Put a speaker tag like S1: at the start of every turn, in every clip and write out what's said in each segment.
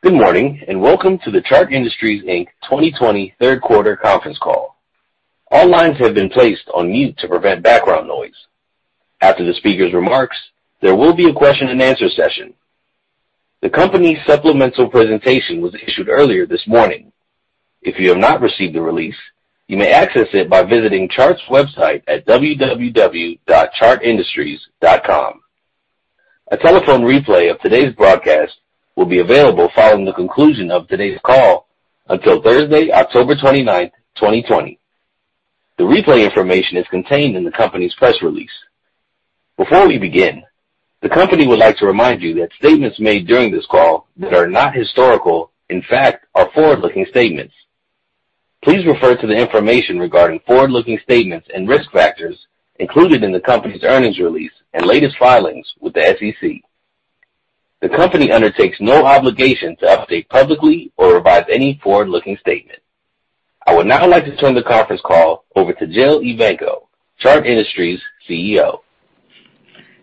S1: Good morning and welcome to the Chart Industries, Inc. 2020 third quarter conference call. All lines have been placed on mute to prevent background noise. After the speaker's remarks, there will be a question and answer session. The company's supplemental presentation was issued earlier this morning. If you have not received the release, you may access it by visiting Chart's website at www.chartindustries.com. A telephone replay of today's broadcast will be available following the conclusion of today's call until Thursday, October 29, 2020. The replay information is contained in the company's press release. Before we begin, the company would like to remind you that statements made during this call that are not historical, in fact, are forward-looking statements. Please refer to the information regarding forward-looking statements and risk factors included in the company's earnings release and latest filings with the SEC. The company undertakes no obligation to update publicly or revise any forward-looking statement. I would now like to turn the conference call over to Jill Evanko, Chart Industries CEO.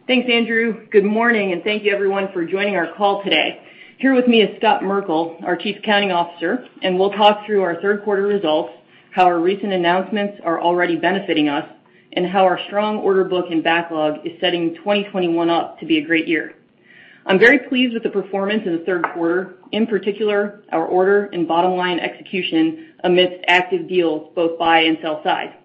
S2: Thanks, Andrew. Good morning and thank you, everyone, for joining our call today. Here with me is Scott Merkle, our Chief Accounting Officer, and we'll talk through our third quarter results, how our recent announcements are already benefiting us, and how our strong order book and backlog is setting 2021 up to be a great year. I'm very pleased with the performance in the third quarter, in particular our order and bottom line execution amidst active deals both buy and sell side.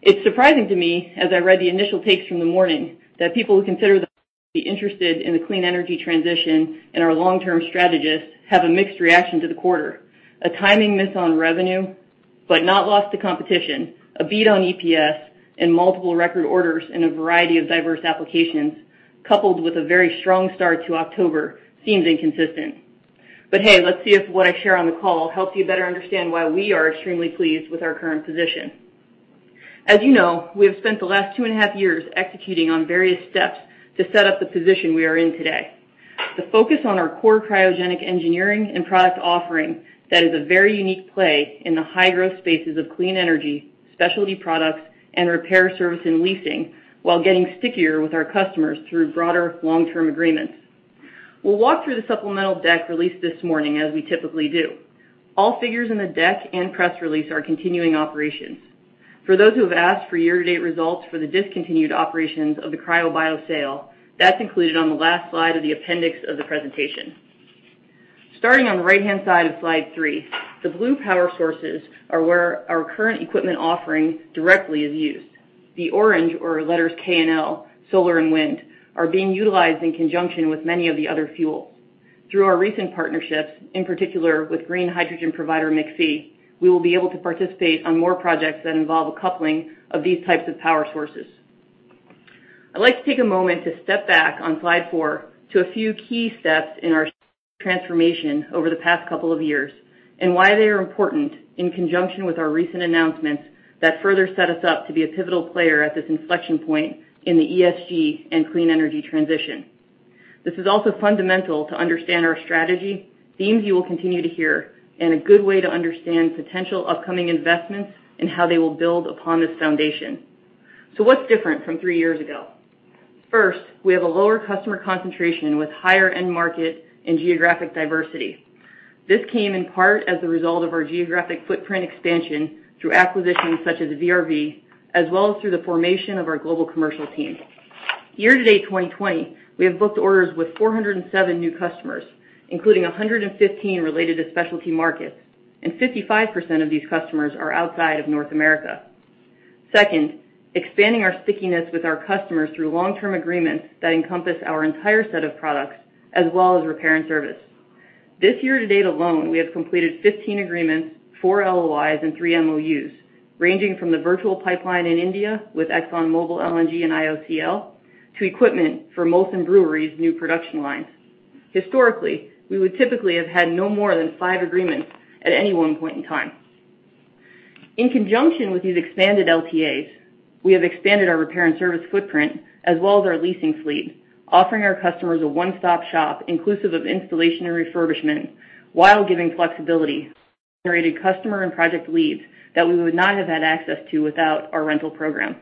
S2: It's surprising to me, as I read the initial takes from the morning, that people who consider themselves to be interested in the clean energy transition and are long-term strategists have a mixed reaction to the quarter. A timing miss on revenue, but not lost to competition, a beat on EPS, and multiple record orders in a variety of diverse applications, coupled with a very strong start to October, seems inconsistent. But hey, let's see if what I share on the call helps you better understand why we are extremely pleased with our current position. As you know, we have spent the last two and a half years executing on various steps to set up the position we are in today. The focus on our core cryogenic engineering and product offering that is a very unique play in the high growth spaces of clean energy, specialty products, and repair service and leasing, while getting stickier with our customers through broader long-term agreements. We'll walk through the supplemental deck released this morning, as we typically do. All figures in the deck and press release are continuing operations. For those who have asked for year-to-date results for the discontinued operations of the CryoBio sale, that's included on the last slide of the appendix of the presentation. Starting on the right-hand side of slide three, the blue power sources are where our current equipment offering directly is used. The orange, or letters K and L, solar and wind are being utilized in conjunction with many of the other fuels. Through our recent partnerships, in particular with green hydrogen provider McPhy, we will be able to participate on more projects that involve a coupling of these types of power sources. I'd like to take a moment to step back on slide four to a few key steps in our transformation over the past couple of years and why they are important in conjunction with our recent announcements that further set us up to be a pivotal player at this inflection point in the ESG and clean energy transition. This is also fundamental to understand our strategy, themes you will continue to hear, and a good way to understand potential upcoming investments and how they will build upon this foundation. So what's different from three years ago? First, we have a lower customer concentration with higher end market and geographic diversity. This came in part as a result of our geographic footprint expansion through acquisitions such as VRV, as well as through the formation of our global commercial team. Year-to-date 2020, we have booked orders with 407 new customers, including 115 related to specialty markets, and 55% of these customers are outside of North America. Second, expanding our stickiness with our customers through long-term agreements that encompass our entire set of products, as well as repair and service. This year-to-date alone, we have completed 15 agreements, four LOIs, and three MOUs, ranging from the virtual pipeline in India with ExxonMobil LNG and IOCL to equipment for Molson Brewery's new production lines. Historically, we would typically have had no more than five agreements at any one point in time. In conjunction with these expanded LTAs, we have expanded our repair and service footprint, as well as our leasing fleet, offering our customers a one-stop shop inclusive of installation and refurbishment while giving flexibility to generated customer and project leads that we would not have had access to without our rental program,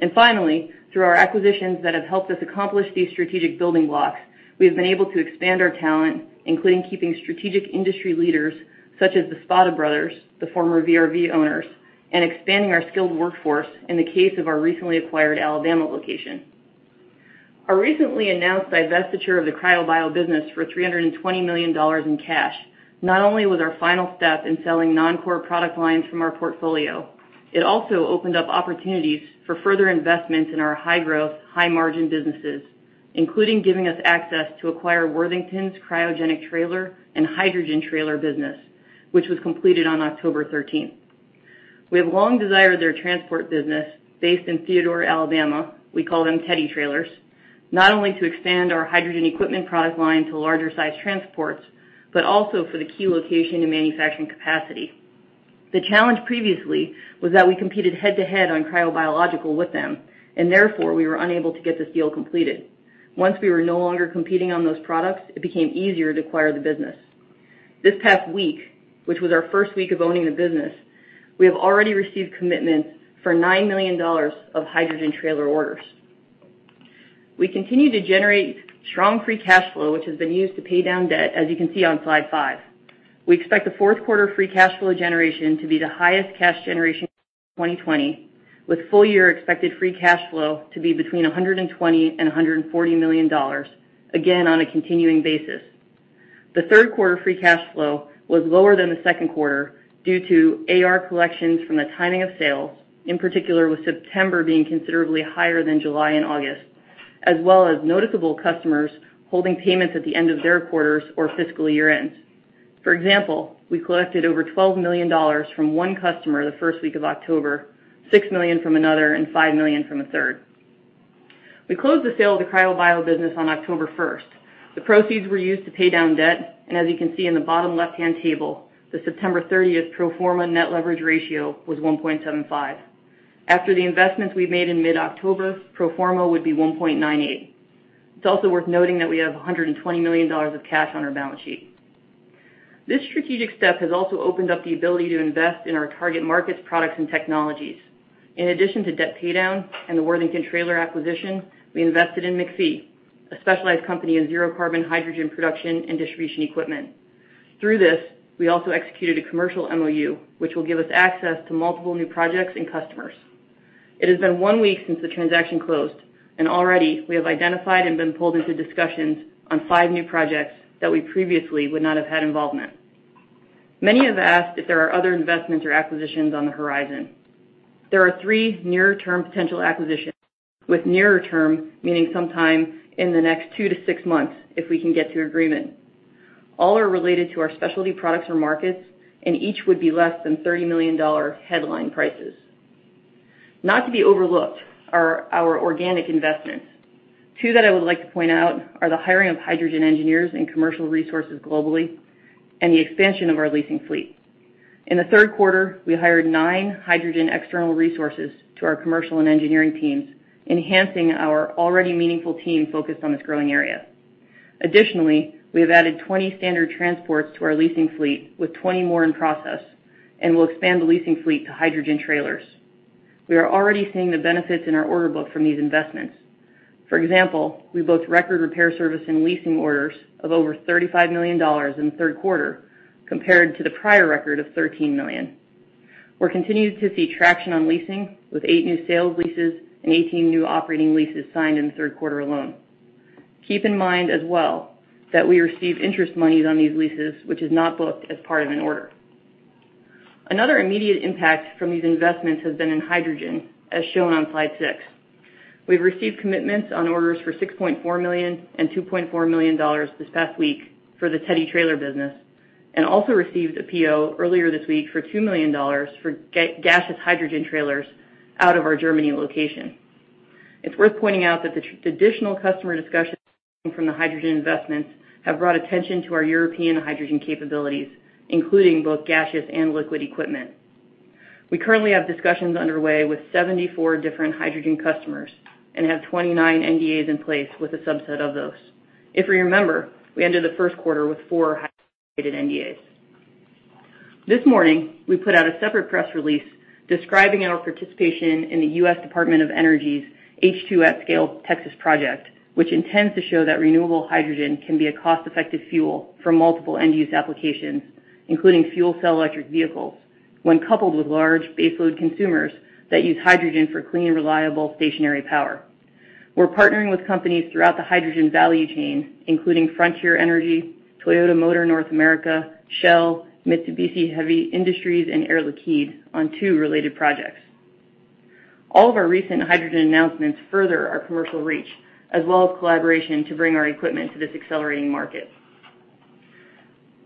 S2: and finally, through our acquisitions that have helped us accomplish these strategic building blocks, we have been able to expand our talent, including keeping strategic industry leaders such as the Spada Brothers, the former VRV owners, and expanding our skilled workforce in the case of our recently acquired Alabama location. Our recently announced divestiture of the CryoBio business for $320 million in cash not only was our final step in selling non-core product lines from our portfolio, it also opened up opportunities for further investments in our high growth, high margin businesses, including giving us access to acquire Worthington's cryogenic trailer and hydrogen trailer business, which was completed on October 13. We have long desired their transport business based in Theodore, Alabama. We call them Teddy Trailers, not only to expand our hydrogen equipment product line to larger size transports, but also for the key location and manufacturing capacity. The challenge previously was that we competed head-to-head on cryobiological with them, and therefore we were unable to get this deal completed. Once we were no longer competing on those products, it became easier to acquire the business. This past week, which was our first week of owning the business, we have already received commitments for $9 million of hydrogen trailer orders. We continue to generate strong free cash flow, which has been used to pay down debt, as you can see on slide five. We expect the fourth quarter free cash flow generation to be the highest cash generation in 2020, with full year expected free cash flow to be between $120 and $140 million, again on a continuing basis. The third quarter free cash flow was lower than the second quarter due to AR collections from the timing of sales, in particular with September being considerably higher than July and August, as well as noticeable customers holding payments at the end of their quarters or fiscal year ends. For example, we collected over $12 million from one customer the first week of October, $6 million from another, and $5 million from a third. We closed the sale of the CryoBio business on October 1st. The proceeds were used to pay down debt, and as you can see in the bottom left-hand table, the September 30th pro forma net leverage ratio was 1.75. After the investments we've made in mid-October, pro forma would be 1.98. It's also worth noting that we have $120 million of cash on our balance sheet. This strategic step has also opened up the ability to invest in our target markets, products, and technologies. In addition to debt paydown and the Worthington trailer acquisition, we invested in McPhy, a specialized company in zero-carbon hydrogen production and distribution equipment. Through this, we also executed a commercial MOU, which will give us access to multiple new projects and customers. It has been one week since the transaction closed, and already we have identified and been pulled into discussions on five new projects that we previously would not have had involvement. Many have asked if there are other investments or acquisitions on the horizon. There are three near-term potential acquisitions, with near-term meaning sometime in the next two to six months if we can get to agreement. All are related to our specialty products or markets, and each would be less than $30 million headline prices. Not to be overlooked are our organic investments. Two that I would like to point out are the hiring of hydrogen engineers and commercial resources globally and the expansion of our leasing fleet. In the third quarter, we hired nine hydrogen external resources to our commercial and engineering teams, enhancing our already meaningful team focused on this growing area. Additionally, we have added 20 standard transports to our leasing fleet, with 20 more in process, and we'll expand the leasing fleet to hydrogen trailers. We are already seeing the benefits in our order book from these investments. For example, we booked record repair service and leasing orders of over $35 million in the third quarter, compared to the prior record of $13 million. We're continuing to see traction on leasing, with eight new sales leases and 18 new operating leases signed in the third quarter alone. Keep in mind as well that we receive interest money on these leases, which is not booked as part of an order. Another immediate impact from these investments has been in hydrogen, as shown on slide six. We've received commitments on orders for $6.4 million and $2.4 million this past week for the Teddy Trailer business, and also received a PO earlier this week for $2 million for gaseous hydrogen trailers out of our Germany location. It's worth pointing out that the additional customer discussions from the hydrogen investments have brought attention to our European hydrogen capabilities, including both gaseous and liquid equipment. We currently have discussions underway with 74 different hydrogen customers and have 29 NDAs in place with a subset of those. If you remember, we ended the first quarter with four highly rated NDAs. This morning, we put out a separate press release describing our participation in the U.S. Department of Energy's H2@Scale Texas project, which intends to show that renewable hydrogen can be a cost-effective fuel for multiple end-use applications, including fuel cell electric vehicles, when coupled with large baseload consumers that use hydrogen for clean, reliable stationary power. We're partnering with companies throughout the hydrogen value chain, including Frontier Energy, Toyota Motor North America, Shell, Mitsubishi Heavy Industries, and Air Liquide on two related projects. All of our recent hydrogen announcements further our commercial reach, as well as collaboration to bring our equipment to this accelerating market.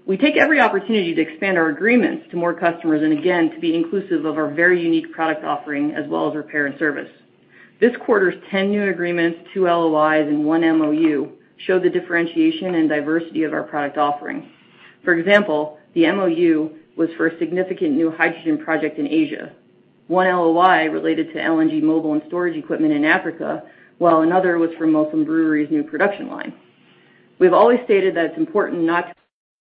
S2: We take every opportunity to expand our agreements to more customers and, again, to be inclusive of our very unique product offering, as well as repair and service. This quarter's 10 new agreements, two LOIs, and one MOU showed the differentiation and diversity of our product offering. For example, the MOU was for a significant new hydrogen project in Asia. One LOI related to LNG mobile and storage equipment in Africa, while another was for Molson Coors' new production line. We've always stated that it's important not to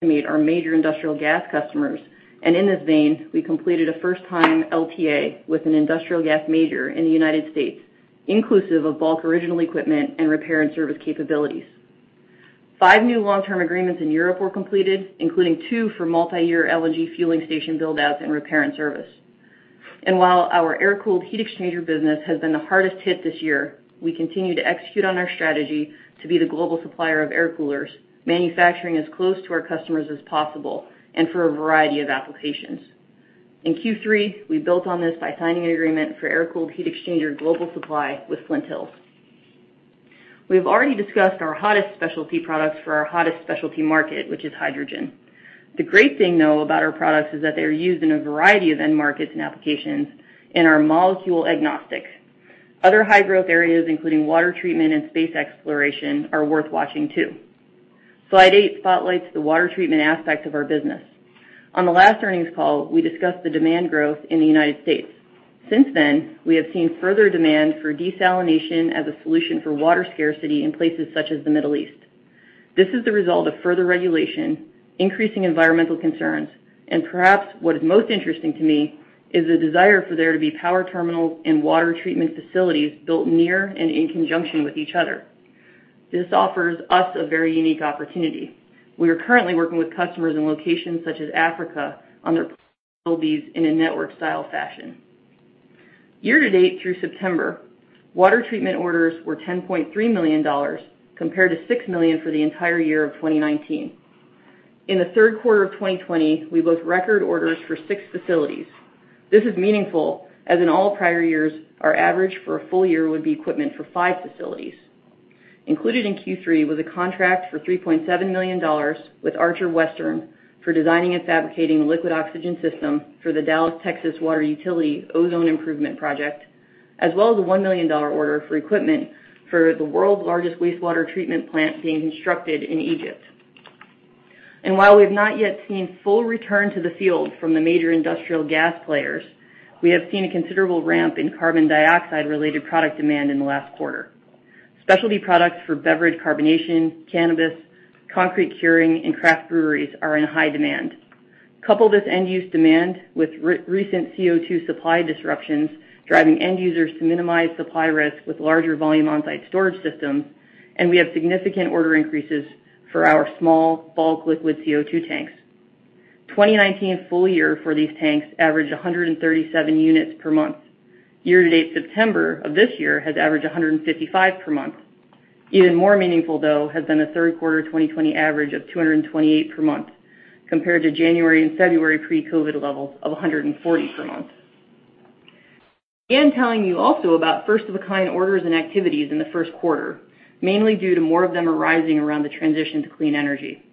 S2: underestimate our major industrial gas customers, and in this vein, we completed a first-time LTA with an industrial gas major in the United States, inclusive of bulk original equipment and repair and service capabilities. Five new long-term agreements in Europe were completed, including two for multi-year LNG fueling station build-outs and repair and service. While our air-cooled heat exchanger business has been the hardest hit this year, we continue to execute on our strategy to be the global supplier of air coolers, manufacturing as close to our customers as possible and for a variety of applications. In Q3, we built on this by signing an agreement for air-cooled heat exchanger global supply with Flint Hills. We have already discussed our hottest specialty products for our hottest specialty market, which is hydrogen. The great thing, though, about our products is that they are used in a variety of end markets and applications and are molecule agnostic. Other high-growth areas, including water treatment and space exploration, are worth watching too. Slide eight spotlights the water treatment aspect of our business. On the last earnings call, we discussed the demand growth in the United States. Since then, we have seen further demand for desalination as a solution for water scarcity in places such as the Middle East. This is the result of further regulation, increasing environmental concerns, and perhaps what is most interesting to me is the desire for there to be power terminals and water treatment facilities built near and in conjunction with each other. This offers us a very unique opportunity. We are currently working with customers in locations such as Africa on their possible buildings in a network-style fashion. Year-to-date through September, water treatment orders were $10.3 million, compared to $6 million for the entire year of 2019. In the third quarter of 2020, we booked record orders for six facilities. This is meaningful, as in all prior years, our average for a full year would be equipment for five facilities. Included in Q3 was a contract for $3.7 million with Archer Western for designing and fabricating a liquid oxygen system for the Dallas, Texas water utility ozone improvement project, as well as a $1 million order for equipment for the world's largest wastewater treatment plant being constructed in Egypt. And while we have not yet seen full return to the field from the major industrial gas players, we have seen a considerable ramp in carbon dioxide-related product demand in the last quarter. Specialty products for beverage carbonation, cannabis, concrete curing, and craft breweries are in high demand. Couple this end-use demand with recent CO2 supply disruptions driving end users to minimize supply risk with larger volume on-site storage systems, and we have significant order increases for our small bulk liquid CO2 tanks. 2019 full year for these tanks averaged 137 units per month. Year-to-date September of this year has averaged 155 per month. Even more meaningful, though, has been the third quarter 2020 average of 228 per month, compared to January and February pre-COVID levels of 140 per month. I am telling you also about first-of-a-kind orders and activities in the first quarter, mainly due to more of them arising around the transition to clean energy.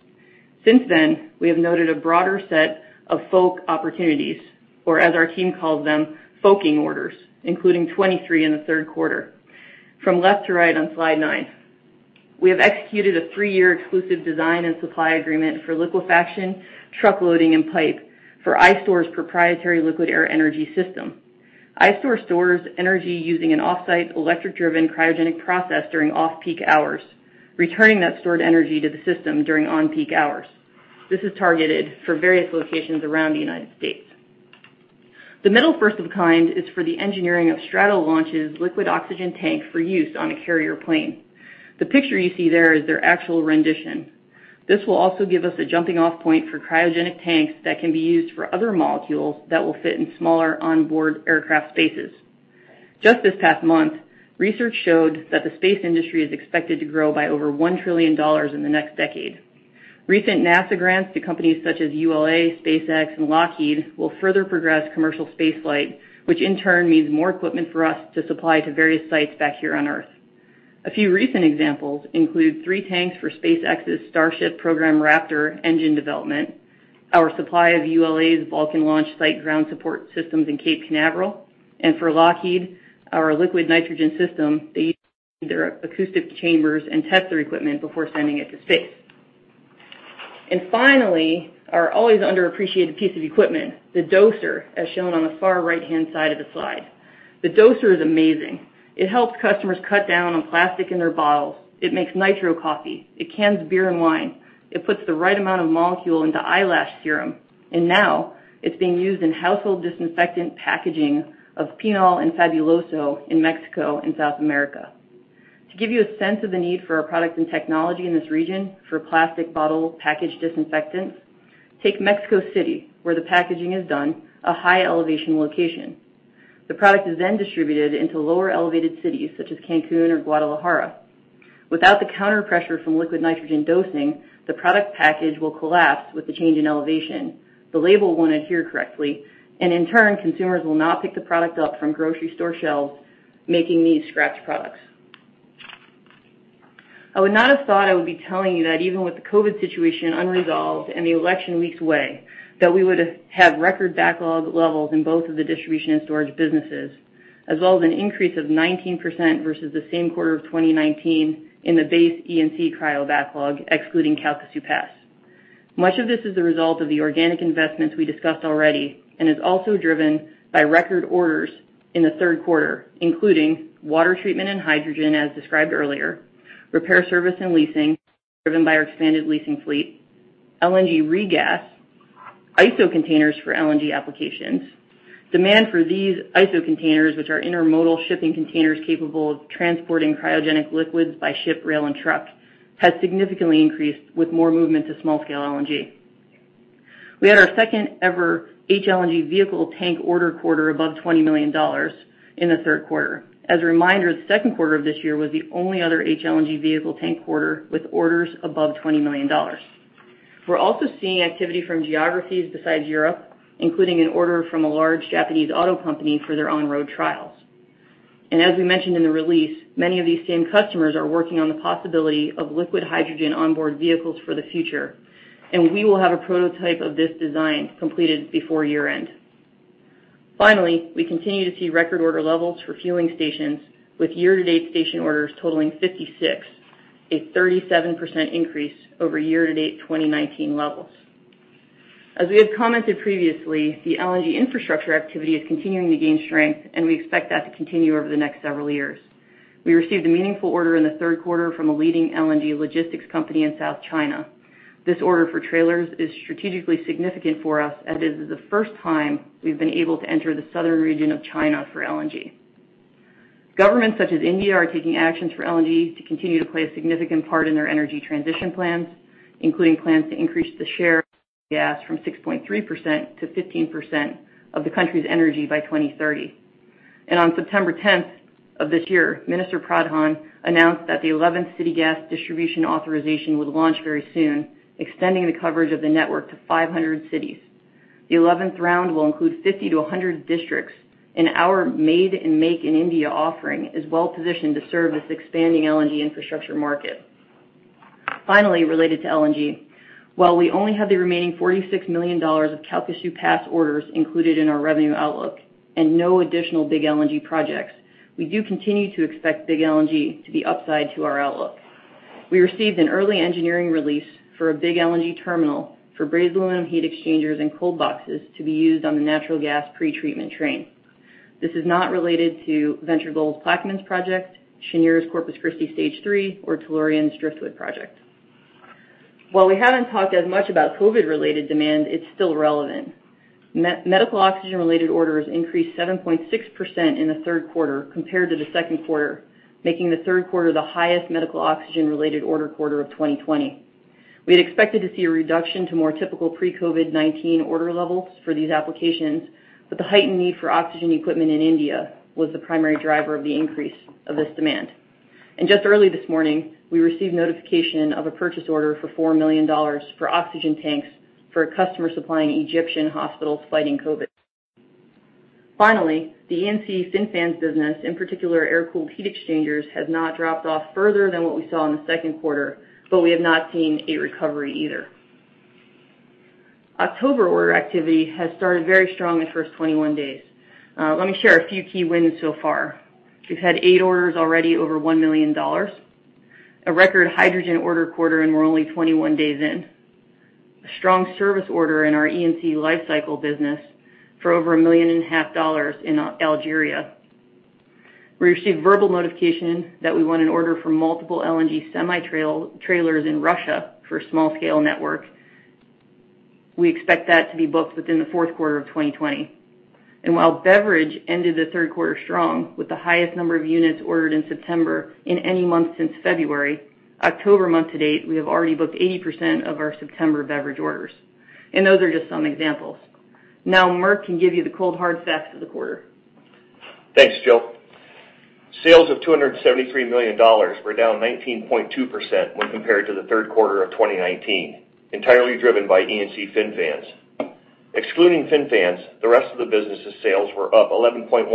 S2: Since then, we have noted a broader set of FOAK opportunities, or as our team calls them, FOAKing orders, including 23 in the third quarter. From left to right on slide nine, we have executed a three-year exclusive design and supply agreement for liquefaction, truckloading, and pipe for ISTOR's proprietary liquid air energy system. ISTOR stores energy using an off-site electric-driven cryogenic process during off-peak hours, returning that stored energy to the system during on-peak hours. This is targeted for various locations around the United States. The middle first-of-a-kind is for the engineering of Stratolaunch's liquid oxygen tank for use on a carrier plane. The picture you see there is their actual rendition. This will also give us a jumping-off point for cryogenic tanks that can be used for other molecules that will fit in smaller onboard aircraft spaces. Just this past month, research showed that the space industry is expected to grow by over $1 trillion in the next decade. Recent NASA grants to companies such as ULA, SpaceX, and Lockheed will further progress commercial spaceflight, which in turn means more equipment for us to supply to various sites back here on Earth. A few recent examples include three tanks for SpaceX's Starship program Raptor engine development, our supply of ULA's Vulcan launch site ground support systems in Cape Canaveral, and for Lockheed, our liquid nitrogen system they use their acoustic chambers and test their equipment before sending it to space. Finally, our always underappreciated piece of equipment, the doser, as shown on the far right-hand side of the slide. The doser is amazing. It helps customers cut down on plastic in their bottles. It makes nitro coffee. It cans beer and wine. It puts the right amount of molecule into eyelash serum. Now it's being used in household disinfectant packaging of Pine-Sol and Fabuloso in Mexico and South America. To give you a sense of the need for our products and technology in this region for plastic bottle package disinfectants, take Mexico City, where the packaging is done, a high-elevation location. The product is then distributed into lower-elevated cities such as Cancun or Guadalajara. Without the counterpressure from liquid nitrogen dosing, the product package will collapse with the change in elevation. The label won't adhere correctly, and in turn, consumers will not pick the product up from grocery store shelves, making these scrapped products. I would not have thought I would be telling you that even with the COVID situation unresolved and the election weeks away, that we would have record backlog levels in both of the distribution and storage businesses, as well as an increase of 19% versus the same quarter of 2019 in the base E&C cryo backlog, excluding Calcasieu Pass. Much of this is the result of the organic investments we discussed already and is also driven by record orders in the third quarter, including water treatment and hydrogen, as described earlier, repair service and leasing driven by our expanded leasing fleet, LNG regas, ISO containers for LNG applications. Demand for these ISO containers, which are intermodal shipping containers capable of transporting cryogenic liquids by ship, rail, and truck, has significantly increased with more movement to small-scale LNG. We had our second-ever HLNG vehicle tank order quarter above $20 million in the third quarter. As a reminder, the second quarter of this year was the only other HLNG vehicle tank quarter with orders above $20 million. We're also seeing activity from geographies besides Europe, including an order from a large Japanese auto company for their on-road trials. And as we mentioned in the release, many of these same customers are working on the possibility of liquid hydrogen onboard vehicles for the future, and we will have a prototype of this design completed before year-end. Finally, we continue to see record order levels for fueling stations, with year-to-date station orders totaling 56, a 37% increase over year-to-date 2019 levels. As we have commented previously, the LNG infrastructure activity is continuing to gain strength, and we expect that to continue over the next several years. We received a meaningful order in the third quarter from a leading LNG logistics company in South China. This order for trailers is strategically significant for us, as it is the first time we've been able to enter the southern region of China for LNG. Governments such as India are taking actions for LNG to continue to play a significant part in their energy transition plans, including plans to increase the share of gas from 6.3%-15% of the country's energy by 2030. And on September 10th of this year, Minister Pradhan announced that the 11th City Gas Distribution authorization would launch very soon, extending the coverage of the network to 500 cities. The 11th round will include 50-100 districts, and our Made in India offering is well-positioned to serve this expanding LNG infrastructure market. Finally, related to LNG, while we only have the remaining $46 million of Calcasieu Pass orders included in our revenue outlook and no additional big LNG projects, we do continue to expect big LNG to be upside to our outlook. We received an early engineering release for a big LNG terminal for brazed aluminum heat exchangers and cold boxes to be used on the natural gas pretreatment train. This is not related to Venture Global's Plaquemines project, Cheniere's Corpus Christi Stage 3, or Tellurian's Driftwood project. While we haven't talked as much about COVID-related demand, it's still relevant. Medical oxygen-related orders increased 7.6% in the third quarter compared to the second quarter, making the third quarter the highest medical oxygen-related order quarter of 2020. We had expected to see a reduction to more typical pre-COVID-19 order levels for these applications, but the heightened need for oxygen equipment in India was the primary driver of the increase of this demand, and just early this morning, we received notification of a purchase order for $4 million for oxygen tanks for a customer supplying Egyptian hospitals fighting COVID. Finally, the E&C FinFans business, in particular air-cooled heat exchangers, has not dropped off further than what we saw in the second quarter, but we have not seen a recovery either. October order activity has started very strong in the first 21 days. Let me share a few key wins so far. We've had eight orders already over $1 million, a record hydrogen order quarter, and we're only 21 days in, a strong service order in our E&C Lifecycle business for over $1.5 million in Algeria. We received verbal notification that we won an order for multiple LNG semi-trailers in Russia for a small-scale network. We expect that to be booked within the fourth quarter of 2020. While beverage ended the third quarter strong with the highest number of units ordered in September in any month since February, October month to date, we have already booked 80% of our September beverage orders. Those are just some examples. Now, Merkle can give you the cold, hard facts of the quarter.
S3: Thanks, Jill. Sales of $273 million were down 19.2% when compared to the third quarter of 2019, entirely driven by E&C FinFans. Excluding FinFans, the rest of the business's sales were up 11.1%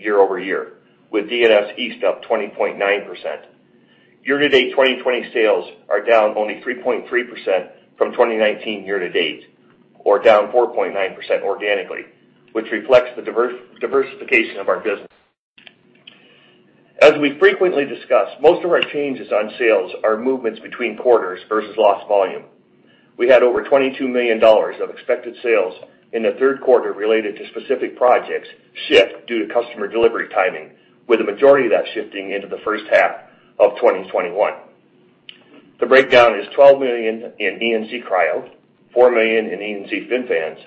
S3: year-over-year, with D&S East up 20.9%. Year-to-date 2020 sales are down only 3.3% from 2019 year-to-date, or down 4.9% organically, which reflects the diversification of our business. As we frequently discuss, most of our changes on sales are movements between quarters versus lost volume. We had over $22 million of expected sales in the third quarter related to specific projects shift due to customer delivery timing, with the majority of that shifting into the first half of 2021. The breakdown is $12 million in E&C Cryo, $4 million in E&C FinFans,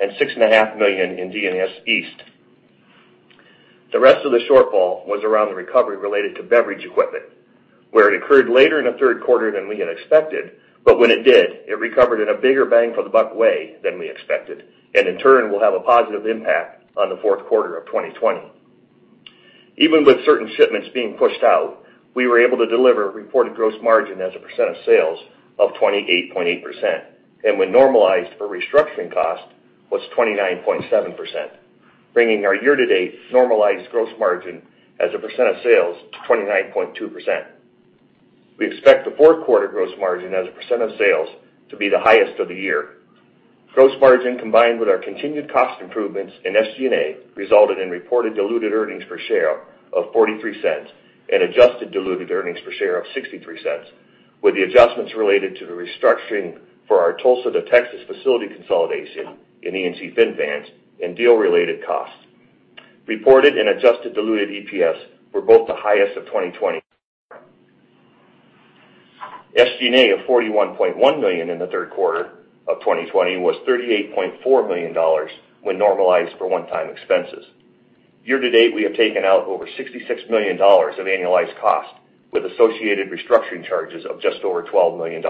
S3: and $6.5 million in D&S East. The rest of the shortfall was around the recovery related to beverage equipment, where it occurred later in the third quarter than we had expected, but when it did, it recovered in a bigger bang for the buck way than we expected, and in turn, will have a positive impact on the fourth quarter of 2020. Even with certain shipments being pushed out, we were able to deliver reported gross margin as a percent of sales of 28.8%, and when normalized for restructuring cost, was 29.7%, bringing our year-to-date normalized gross margin as a percent of sales to 29.2%. We expect the fourth quarter gross margin as a percent of sales to be the highest of the year. Gross margin combined with our continued cost improvements in SG&A resulted in reported diluted earnings per share of $0.43 and adjusted diluted earnings per share of $0.63, with the adjustments related to the restructuring for our Tulsa to Texas facility consolidation in E&C FinFans and deal-related costs. Reported and adjusted diluted EPS were both the highest of 2020. SG&A of $41.1 million in the third quarter of 2020 was $38.4 million when normalized for one-time expenses. Year-to-date, we have taken out over $66 million of annualized cost with associated restructuring charges of just over $12 million.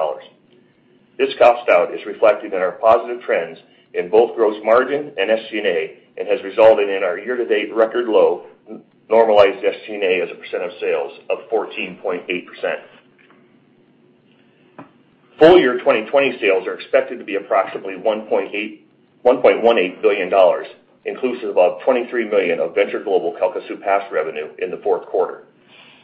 S3: This cost out is reflected in our positive trends in both gross margin and SG&A and has resulted in our year-to-date record low normalized SG&A as a percent of sales of 14.8%. Full year 2020 sales are expected to be approximately $1.18 billion, inclusive of $23 million of Venture Global Calcasieu Pass revenue in the fourth quarter.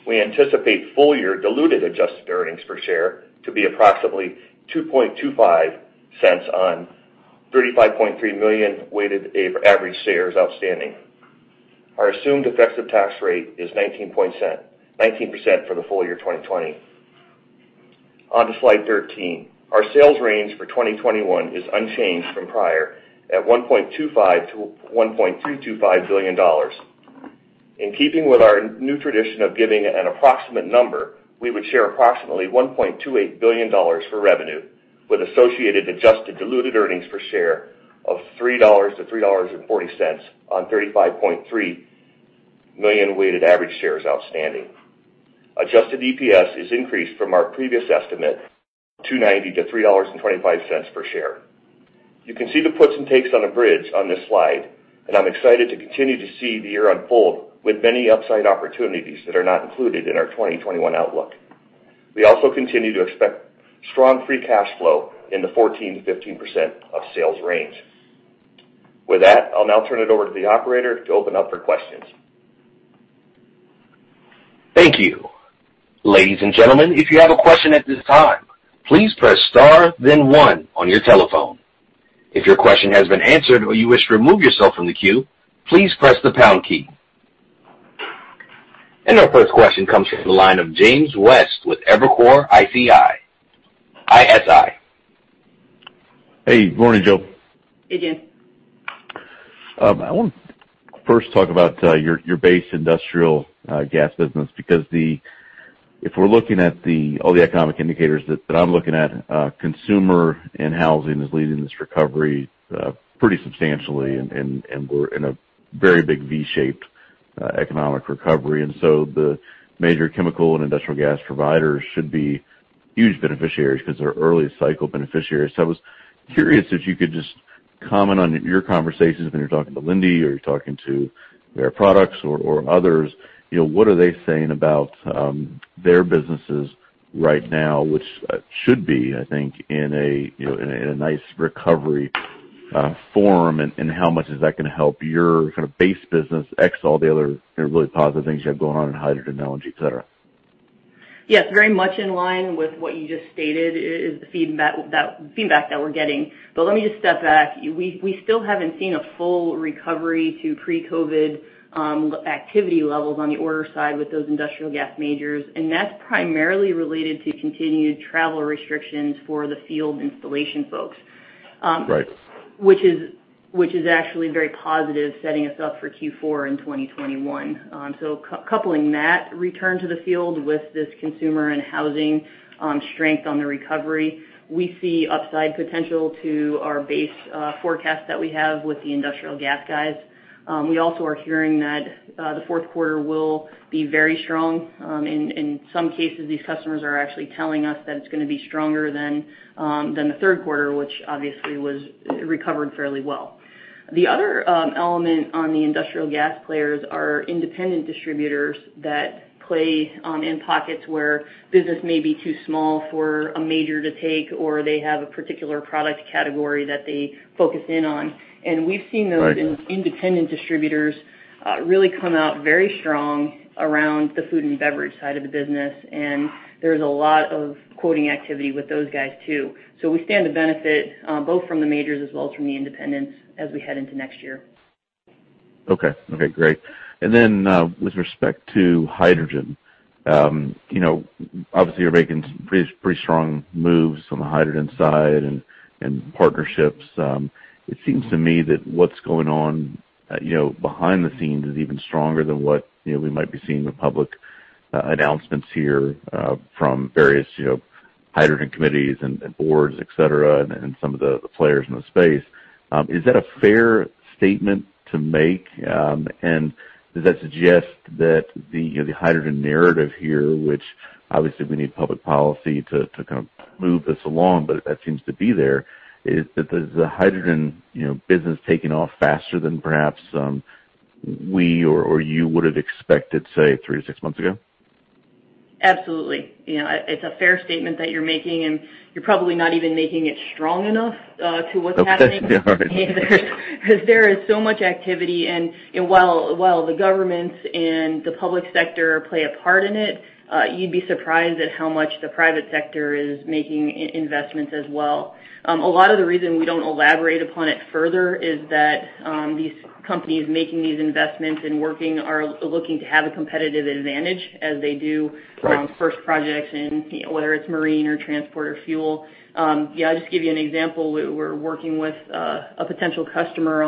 S3: We anticipate full year diluted adjusted earnings per share to be approximately $0.0225 on 35.3 million weighted average shares outstanding. Our assumed effective tax rate is 19% for the full year 2020. On to slide 13. Our sales range for 2021 is unchanged from prior at $1.25-$1.225 billion. In keeping with our new tradition of giving an approximate number, we would share approximately $1.28 billion for revenue, with associated adjusted diluted earnings per share of $3-$3.40 on 35.3 million weighted average shares outstanding. Adjusted EPS is increased from our previous estimate of $2.90-$3.25 per share. You can see the puts and takes on a bridge on this slide, and I'm excited to continue to see the year unfold with many upside opportunities that are not included in our 2021 outlook. We also continue to expect strong free cash flow in the 14%-15% of sales range. With that, I'll now turn it over to the operator to open up for questions.
S1: Thank you. Ladies and gentlemen, if you have a question at this time, please press star, then one on your telephone. If your question has been answered or you wish to remove yourself from the queue, please press the pound key. Our first question comes from the line of James West with Evercore ISI.
S4: Hey. Good morning, Jill.
S2: Hey, James.
S4: I want to first talk about your base industrial gas business because if we're looking at all the economic indicators that I'm looking at, consumer and housing is leading this recovery pretty substantially, and we're in a very big V-shaped economic recovery. The major chemical and industrial gas providers should be huge beneficiaries because they're early cycle beneficiaries. So I was curious if you could just comment on your conversations when you're talking to Linde or you're talking to Air Products or others, what are they saying about their businesses right now, which should be, I think, in a nice recovery from, and how much is that going to help your kind of base business, ex all the other really positive things you have going on in hydrogen energy, etc.?
S2: Yes. Very much in line with what you just stated is the feedback that we're getting. But let me just step back. We still haven't seen a full recovery to pre-COVID activity levels on the order side with those industrial gas majors, and that's primarily related to continued travel restrictions for the field installation folks, which is actually very positive setting us up for Q4 in 2021. So coupling that return to the field with this consumer and housing strength on the recovery, we see upside potential to our base forecast that we have with the industrial gas guys. We also are hearing that the fourth quarter will be very strong. In some cases, these customers are actually telling us that it's going to be stronger than the third quarter, which obviously recovered fairly well. The other element on the industrial gas players are independent distributors that play in pockets where business may be too small for a major to take, or they have a particular product category that they focus in on. And we've seen those independent distributors really come out very strong around the food and beverage side of the business, and there's a lot of quoting activity with those guys too. So we stand to benefit both from the majors as well as from the independents as we head into next year.
S4: Okay. Okay. Great. And then with respect to hydrogen, obviously, you're making pretty strong moves on the hydrogen side and partnerships. It seems to me that what's going on behind the scenes is even stronger than what we might be seeing with public announcements here from various hydrogen committees and boards, etc., and some of the players in the space. Is that a fair statement to make, and does that suggest that the hydrogen narrative here, which obviously we need public policy to kind of move this along, but that seems to be there, is that the hydrogen business taking off faster than perhaps we or you would have expected, say, three to six months ago?
S2: Absolutely. It's a fair statement that you're making, and you're probably not even making it strong enough to what's happening because there is so much activity, and while the governments and the public sector play a part in it, you'd be surprised at how much the private sector is making investments as well. A lot of the reason we don't elaborate upon it further is that these companies making these investments and working are looking to have a competitive advantage as they do first projects, whether it's marine or transport or fuel. Yeah. I'll just give you an example. We're working with a potential customer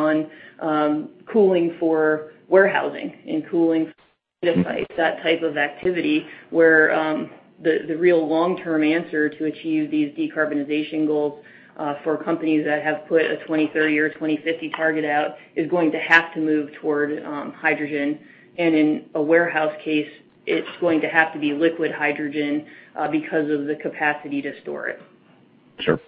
S2: on cooling for warehousing and cooling for data sites, that type of activity, where the real long-term answer to achieve these decarbonization goals for companies that have put a 2030 or 2050 target out is going to have to move toward hydrogen. In a warehouse case, it's going to have to be liquid hydrogen because of the capacity to store it.
S4: Sure.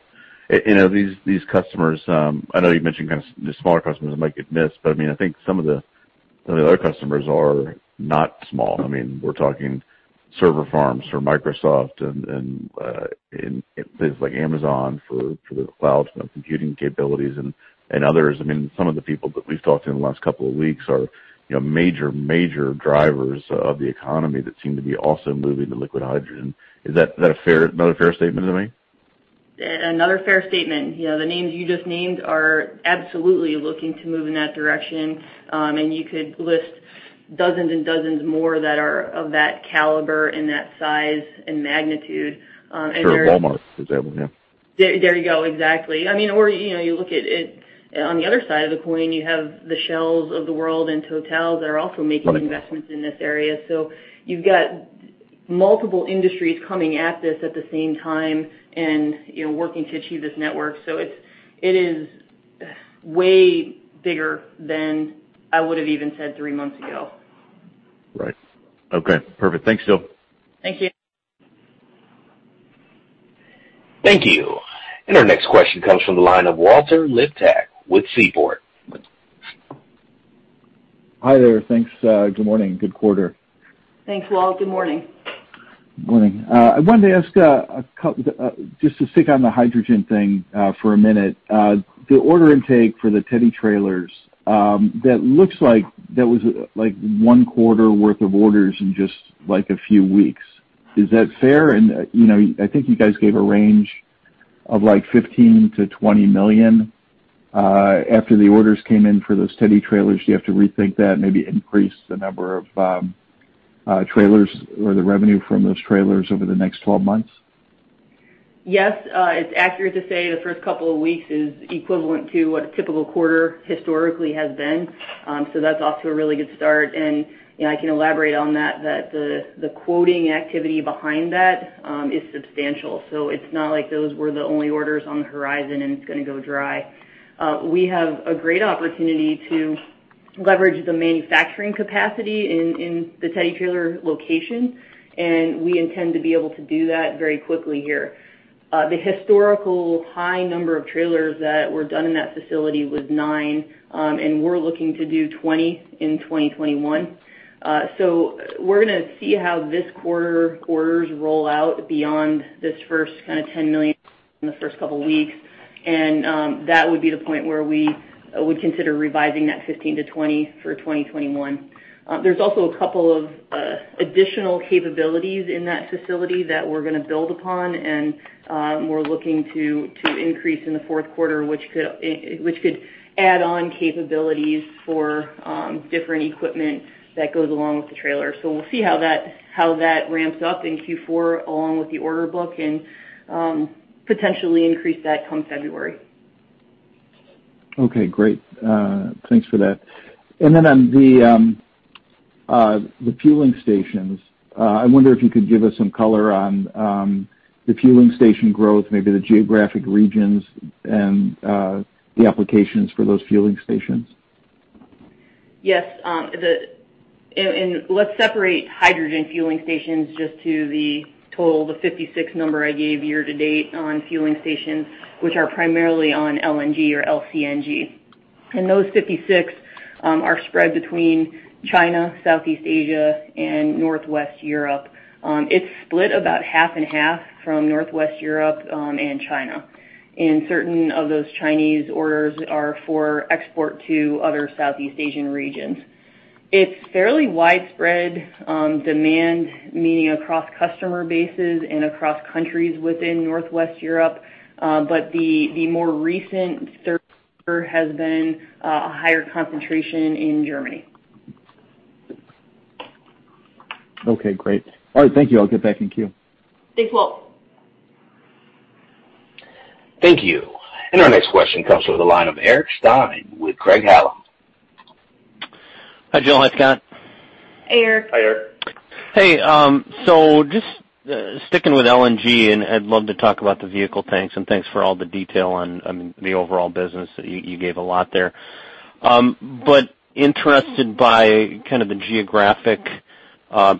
S4: These customers, I know you mentioned kind of the smaller customers that might get missed, but I mean, I think some of the other customers are not small. I mean, we're talking server farms for Microsoft and things like Amazon for the cloud computing capabilities and others. I mean, some of the people that we've talked to in the last couple of weeks are major, major drivers of the economy that seem to be also moving to liquid hydrogen. Is that another fair statement to me?
S2: Another fair statement. The names you just named are absolutely looking to move in that direction, and you could list dozens and dozens more that are of that caliber and that size and magnitude.
S4: Sure. Walmart, for example. Yeah.
S2: There you go. Exactly. I mean, or you look at it on the other side of the coin, you have the Shells of the world and Total that are also making investments in this area. So you've got multiple industries coming at this at the same time and working to achieve this network. So it is way bigger than I would have even said three months ago.
S4: Right. Okay. Perfect. Thanks, Jill.
S2: Thank you.
S1: Thank you. And our next question comes from the line of Walter Liptak with Seaport.
S5: Hi there. Thanks. Good morning. Good quarter.
S2: Thanks, Walt. Good morning.
S5: Good morning. I wanted to ask just to stick on the hydrogen thing for a minute. The order intake for the Teddy Trailers, that looks like that was like one quarter worth of orders in just like a few weeks. Is that fair? I think you guys gave a range of like $15 million-$20 million. After the orders came in for those Teddy Trailers, do you have to rethink that, maybe increase the number of trailers or the revenue from those trailers over the next 12 months?
S2: Yes. It's accurate to say the first couple of weeks is equivalent to what a typical quarter historically has been. That's off to a really good start. I can elaborate on that, that the quoting activity behind that is substantial. It's not like those were the only orders on the horizon and it's going to go dry. We have a great opportunity to leverage the manufacturing capacity in the Teddy Trailer location, and we intend to be able to do that very quickly here. The historical high number of trailers that were done in that facility was nine, and we're looking to do 20 in 2021. So we're going to see how this quarter orders roll out beyond this first kind of $10 million in the first couple of weeks, and that would be the point where we would consider revising that $15 million-$20 million for 2021. There's also a couple of additional capabilities in that facility that we're going to build upon, and we're looking to increase in the fourth quarter, which could add on capabilities for different equipment that goes along with the trailer. So we'll see how that ramps up in Q4 along with the order book and potentially increase that come February.
S5: Okay. Great. Thanks for that. And then on the fueling stations, I wonder if you could give us some color on the fueling station growth, maybe the geographic regions and the applications for those fueling stations.
S2: Yes. And let's separate hydrogen fueling stations just to the total, the 56 number I gave year to date on fueling stations, which are primarily on LNG or LCNG. And those 56 are spread between China, Southeast Asia, and Northwest Europe. It's split about half and half from Northwest Europe and China. And certain of those Chinese orders are for export to other Southeast Asian regions. It's fairly widespread demand, meaning across customer bases and across countries within Northwest Europe, but the more recent third quarter has been a higher concentration in Germany.
S5: Okay. Great. All right. Thank you. I'll get back in queue.
S2: Thanks, Walt.
S1: Thank you. Our next question comes from the line of Eric Stine with Craig-Hallum.
S6: Hi, Jill. Hi, Scott.
S2: Hey, Eric.
S3: Hi, Eric.
S6: Hey. So just sticking with LNG, and I'd love to talk about the vehicle tanks, and thanks for all the detail on, I mean, the overall business. You gave a lot there. But interested by kind of the geographic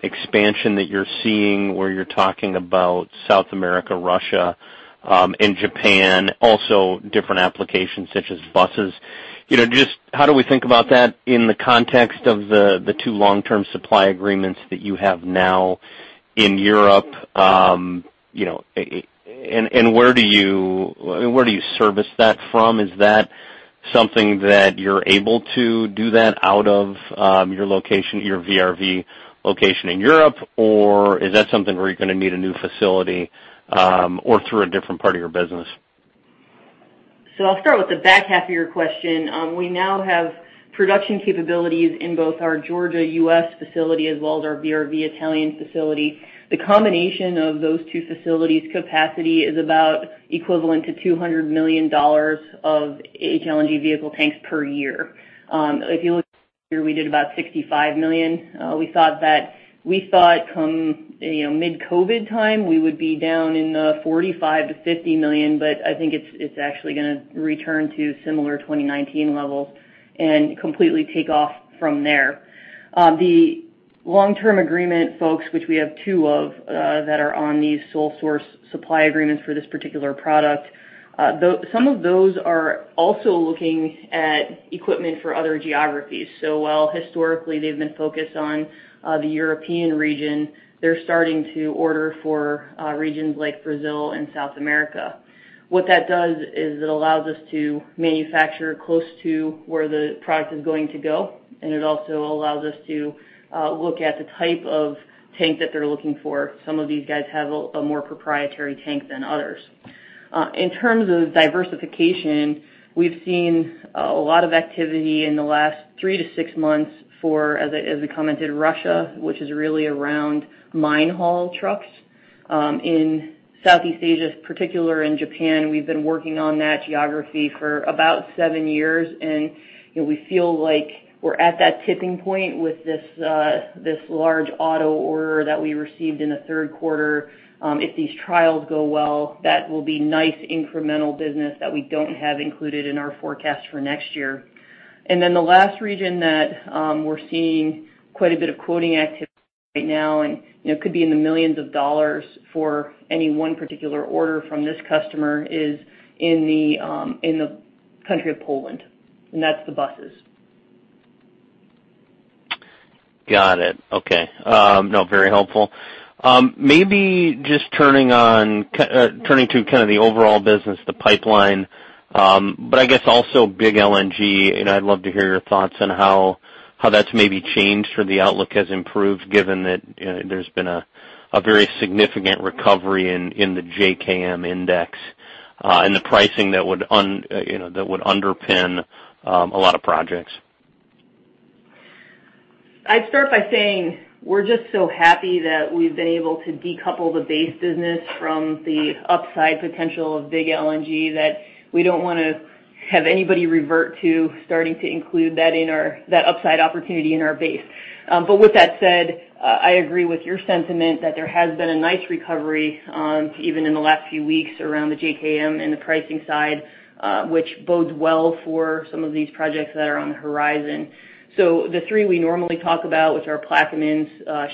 S6: expansion that you're seeing where you're talking about South America, Russia, and Japan, also different applications such as buses. Just how do we think about that in the context of the two long-term supply agreements that you have now in Europe? And where do you service that from? Is that something that you're able to do that out of your VRV location in Europe, or is that something where you're going to need a new facility or through a different part of your business?
S2: So I'll start with the back half of your question. We now have production capabilities in both our Georgia, U.S. facility as well as our VRV Italian facility. The combination of those two facilities' capacity is about equivalent to $200 million of HLNG vehicle tanks per year. If you look here, we did about $65 million. We thought that come mid-COVID time, we would be down in the $45-$50 million, but I think it's actually going to return to similar 2019 levels and completely take off from there. The long-term agreement folks, which we have two of that are on these sole source supply agreements for this particular product, some of those are also looking at equipment for other geographies. So while historically they've been focused on the European region, they're starting to order for regions like Brazil and South America. What that does is it allows us to manufacture close to where the product is going to go, and it also allows us to look at the type of tank that they're looking for. Some of these guys have a more proprietary tank than others. In terms of diversification, we've seen a lot of activity in the last three to six months for, as we commented, Russia, which is really around mine haul trucks. In Southeast Asia, particularly in Japan, we've been working on that geography for about seven years, and we feel like we're at that tipping point with this large auto order that we received in the third quarter. If these trials go well, that will be nice incremental business that we don't have included in our forecast for next year. Then the last region that we're seeing quite a bit of quoting activity right now, and it could be in the millions of dollars for any one particular order from this customer, is in the country of Poland, and that's the buses.
S6: Got it. Okay. No, very helpful. Maybe just turning to kind of the overall business, the pipeline, but I guess also big LNG, and I'd love to hear your thoughts on how that's maybe changed or the outlook has improved given that there's been a very significant recovery in the JKM index and the pricing that would underpin a lot of projects.
S2: I'd start by saying we're just so happy that we've been able to decouple the base business from the upside potential of big LNG that we don't want to have anybody revert to starting to include that upside opportunity in our base. But with that said, I agree with your sentiment that there has been a nice recovery even in the last few weeks around the JKM and the pricing side, which bodes well for some of these projects that are on the horizon. So the three we normally talk about, which are Plaquemines,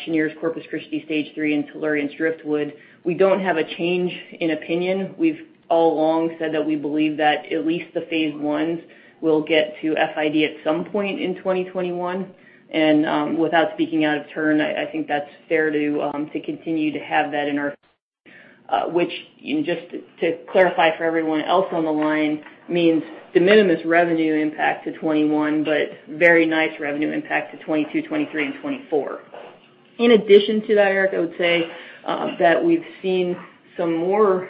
S2: Cheniere's, Corpus Christi Stage 3, and Tellurian's Driftwood, we don't have a change in opinion. We've all long said that we believe that at least the phase ones will get to FID at some point in 2021, and without speaking out of turn, I think that's fair to continue to have that in our view. Which, just to clarify for everyone else on the line, means the minimum revenue impact to 2021, but very nice revenue impact to 2022, 2023, and 2024. In addition to that, Eric, I would say that we've seen some more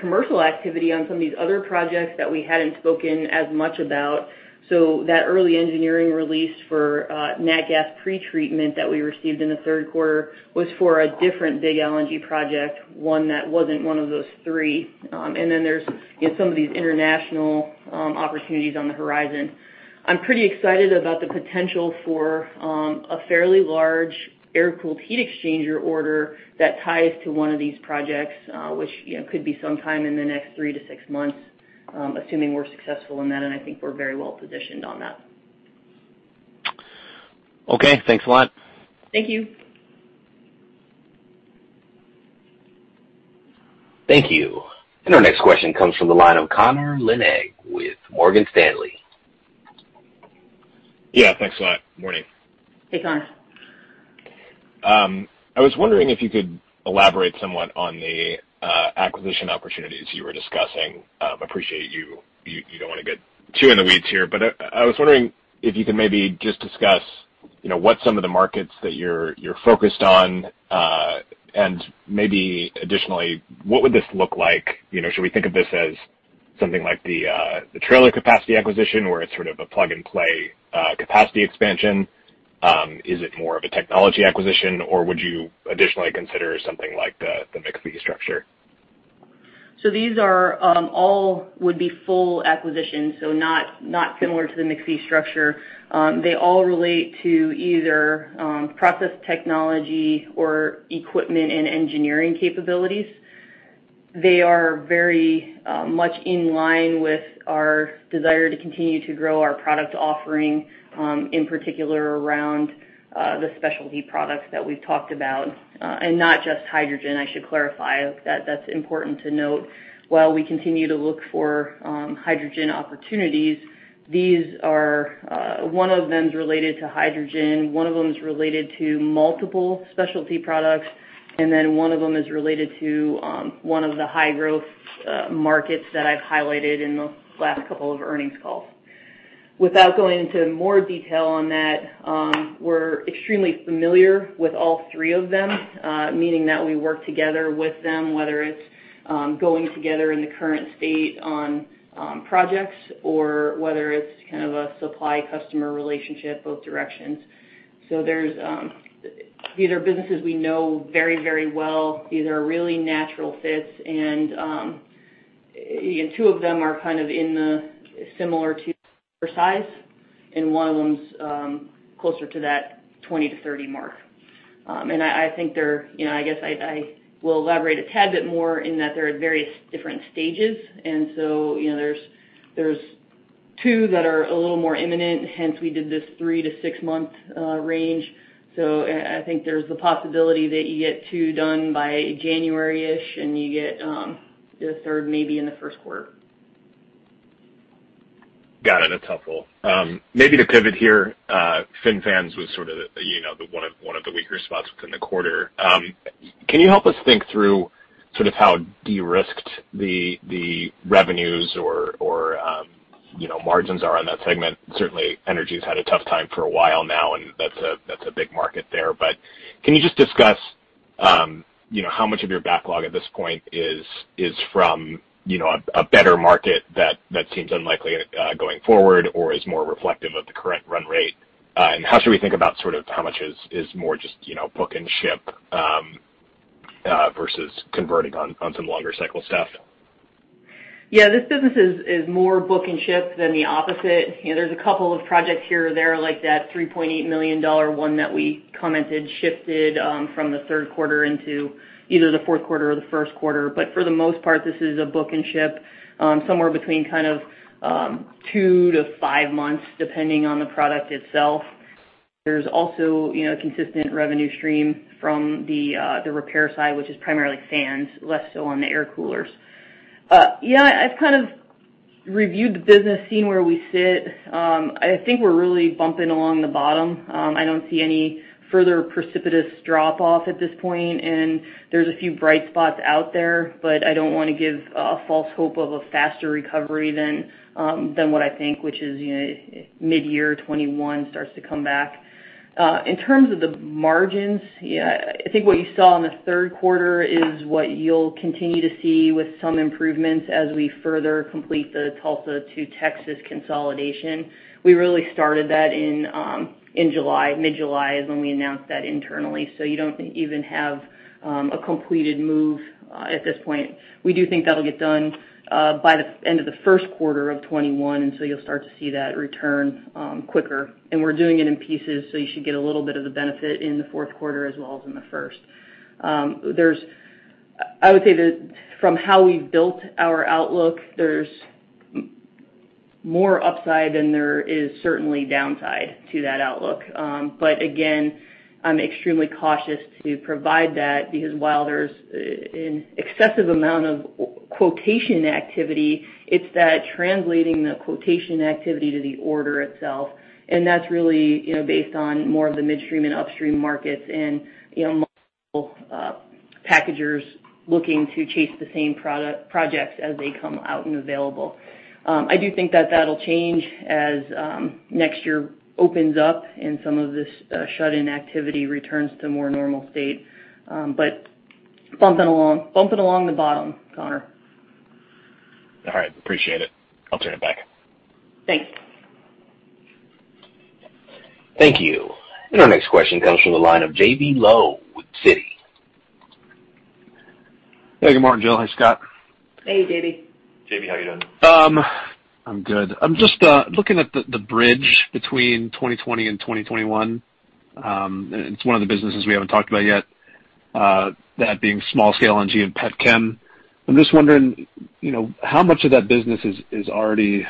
S2: commercial activity on some of these other projects that we hadn't spoken as much about. So that early engineering release for Nat Gas pretreatment that we received in the third quarter was for a different big LNG project, one that wasn't one of those three. And then there's some of these international opportunities on the horizon. I'm pretty excited about the potential for a fairly large air-cooled heat exchanger order that ties to one of these projects, which could be sometime in the next three-to-six months, assuming we're successful in that, and I think we're very well positioned on that.
S6: Okay. Thanks a lot.
S2: Thank you.
S1: Thank you. And our next question comes from the line of Connor Lynagh with Morgan Stanley.
S7: Yeah. Thanks a lot. Morning.
S2: Hey, Connor.
S7: I was wondering if you could elaborate somewhat on the acquisition opportunities you were discussing. I appreciate you don't want to get too in the weeds here, but I was wondering if you could maybe just discuss what some of the markets that you're focused on, and maybe additionally, what would this look like? Should we think of this as something like the trailer capacity acquisition, where it's sort of a plug-and-play capacity expansion? Is it more of a technology acquisition, or would you additionally consider something like the McPhy structure?
S2: So these all would be full acquisitions, so not similar to the McPhy structure. They all relate to either process technology or equipment and engineering capabilities. They are very much in line with our desire to continue to grow our product offering, in particular around the specialty products that we've talked about, and not just hydrogen. I should clarify that that's important to note. While we continue to look for hydrogen opportunities, one of them is related to hydrogen, one of them is related to multiple specialty products, and then one of them is related to one of the high-growth markets that I've highlighted in the last couple of earnings calls. Without going into more detail on that, we're extremely familiar with all three of them, meaning that we work together with them, whether it's going together in the current state on projects or whether it's kind of a supply-customer relationship, both directions. So these are businesses we know very, very well. These are really natural fits, and two of them are kind of similar to our size, and one of them's closer to that 20-30 mark. I think they're, I guess I will elaborate a tad bit more in that they're at various different stages. So there's two that are a little more imminent, hence we did this three- to six-month range. I think there's the possibility that you get two done by January-ish, and you get the third maybe in the first quarter.
S7: Got it. That's helpful. Maybe to pivot here, FinFans was sort of one of the weaker spots within the quarter. Can you help us think through sort of how de-risked the revenues or margins are on that segment? Certainly, energy has had a tough time for a while now, and that's a big market there. But can you just discuss how much of your backlog at this point is from a better market that seems unlikely going forward or is more reflective of the current run rate? How should we think about sort of how much is more just book and ship versus converting on some longer cycle stuff?
S2: Yeah. This business is more book and ship than the opposite. There's a couple of projects here or there, like that $3.8 million one that we commented shifted from the third quarter into either the fourth quarter or the first quarter. But for the most part, this is a book and ship, somewhere between kind of two to five months, depending on the product itself. There's also a consistent revenue stream from the repair side, which is primarily fans, less so on the air coolers. Yeah. I've kind of reviewed the business, seen where we sit. I think we're really bumping along the bottom. I don't see any further precipitous drop-off at this point, and there's a few bright spots out there, but I don't want to give a false hope of a faster recovery than what I think, which is mid-year 2021 starts to come back. In terms of the margins, I think what you saw in the third quarter is what you'll continue to see with some improvements as we further complete the Tulsa to Texas consolidation. We really started that in July. Mid-July is when we announced that internally, so you don't even have a completed move at this point. We do think that'll get done by the end of the first quarter of 2021, and so you'll start to see that return quicker, and we're doing it in pieces, so you should get a little bit of the benefit in the fourth quarter as well as in the first. I would say that from how we've built our outlook, there's more upside than there is certainly downside to that outlook. But again, I'm extremely cautious to provide that because while there's an excessive amount of quotation activity, it's that translating the quotation activity to the order itself, and that's really based on more of the midstream and upstream markets and multiple packagers looking to chase the same projects as they come out and available. I do think that that'll change as next year opens up and some of this shut-in activity returns to more normal state. But bumping along the bottom, Connor.
S7: All right. Appreciate it. I'll turn it back.
S2: Thanks.
S1: Thank you. And our next question comes from the line of J.B. Lowe with Citi.
S8: Hey, good morning, Jill. Hi, Scott.
S2: Hey, J.B.
S3: J.B., how are you doing?
S8: I'm good. I'm just looking at the bridge between 2020 and 2021. It's one of the businesses we haven't talked about yet, that being small-scale LNG and Petchem. I'm just wondering how much of that business is already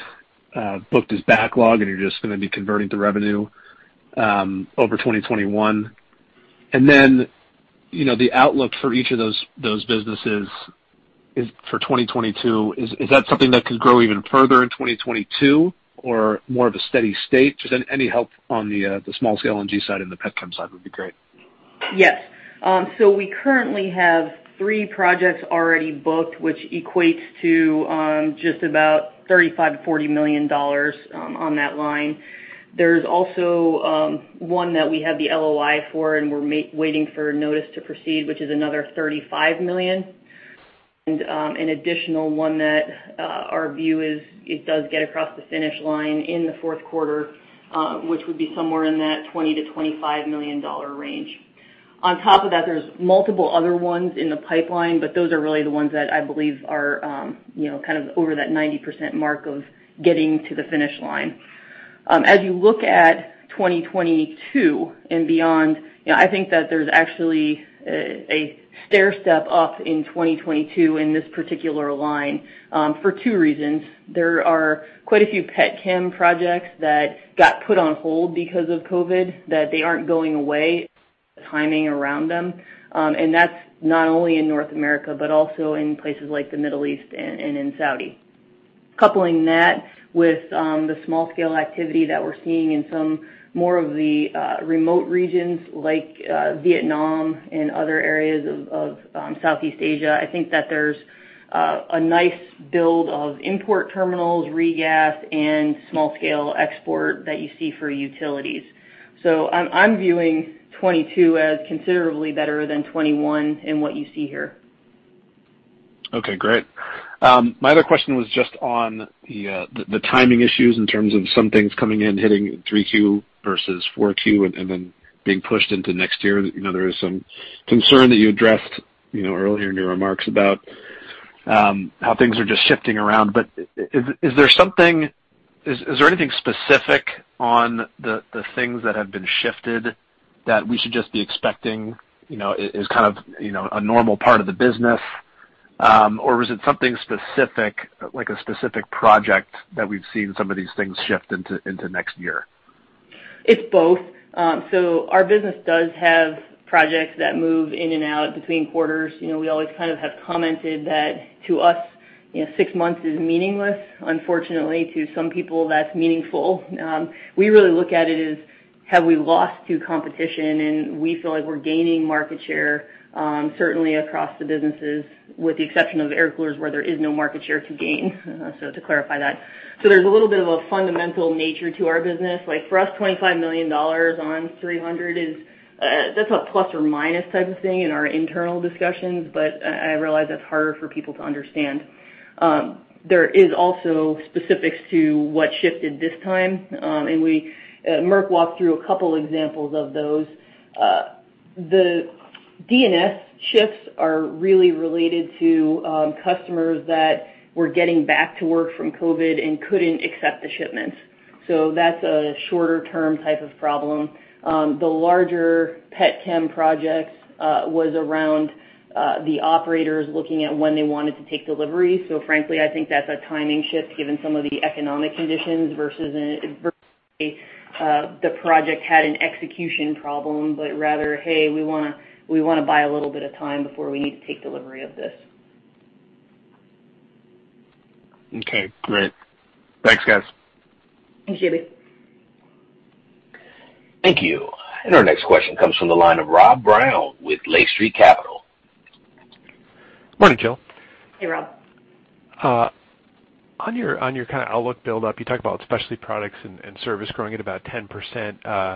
S8: booked as backlog, and you're just going to be converting to revenue over 2021, and then the outlook for each of those businesses for 2022, is that something that could grow even further in 2022 or more of a steady state? Just any help on the small-scale LNG side and the Petchem side would be great.
S2: Yes. So we currently have three projects already booked, which equates to just about $35-$40 million on that line. There's also one that we have the LOI for, and we're waiting for notice to proceed, which is another $35 million, and an additional one that our view is it does get across the finish line in the fourth quarter, which would be somewhere in that $20-$25 million range. On top of that, there's multiple other ones in the pipeline, but those are really the ones that I believe are kind of over that 90% mark of getting to the finish line. As you look at 2022 and beyond, I think that there's actually a stair step up in 2022 in this particular line for two reasons. There are quite a few Petchem projects that got put on hold because of COVID, that they aren't going away, timing around them, and that's not only in North America but also in places like the Middle East and in Saudi. Coupling that with the small-scale activity that we're seeing in some more of the remote regions like Vietnam and other areas of Southeast Asia, I think that there's a nice build of import terminals, regas, and small-scale export that you see for utilities. So I'm viewing 2022 as considerably better than 2021 in what you see here.
S8: Okay. Great. My other question was just on the timing issues in terms of some things coming in, hitting 3Q versus 4Q, and then being pushed into next year. There is some concern that you addressed earlier in your remarks about how things are just shifting around. But is there anything specific on the things that have been shifted that we should just be expecting is kind of a normal part of the business, or is it something specific, like a specific project that we've seen some of these things shift into next year?
S2: It's both. So our business does have projects that move in and out between quarters. We always kind of have commented that to us, six months is meaningless. Unfortunately, to some people, that's meaningful. We really look at it as, have we lost to competition, and we feel like we're gaining market share, certainly across the businesses, with the exception of air coolers where there is no market share to gain. So to clarify that. So there's a little bit of a fundamental nature to our business. For us, $25 million on 300, that's a ± type of thing in our internal discussions, but I realize that's harder for people to understand. There is also specifics to what shifted this time, and Merkle walked through a couple of examples of those. The D&S shifts are really related to customers that were getting back to work from COVID and couldn't accept the shipments. So that's a shorter-term type of problem. The larger Petchem project was around the operators looking at when they wanted to take delivery. So frankly, I think that's a timing shift given some of the economic conditions versus the project had an execution problem, but rather, hey, we want to buy a little bit of time before we need to take delivery of this.
S8: Okay. Great. Thanks, guys.
S2: Thanks, JB.
S1: Thank you. And our next question comes from the line of Rob Brown with Lake Street Capital.
S9: Morning, Jill.
S2: Hey, Rob.
S9: On your kind of outlook build-up, you talked about specialty products and service growing at about 10%.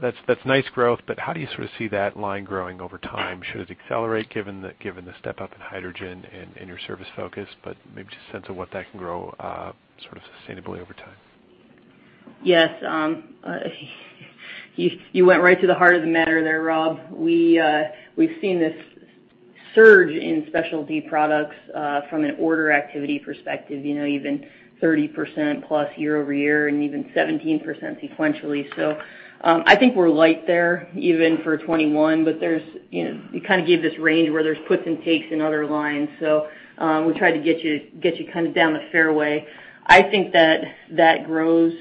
S9: That's nice growth, but how do you sort of see that line growing over time? Should it accelerate given the step-up in hydrogen and your service focus, but maybe just a sense of what that can grow sort of sustainably over time?
S2: Yes. You went right to the heart of the matter there, Rob. We've seen this surge in specialty products from an order activity perspective, even 30%+ year-over-year and even 17% sequentially. So I think we're light there even for 2021, but you kind of gave this range where there's puts and takes in other lines. So we tried to get you kind of down the fairway. I think that that grows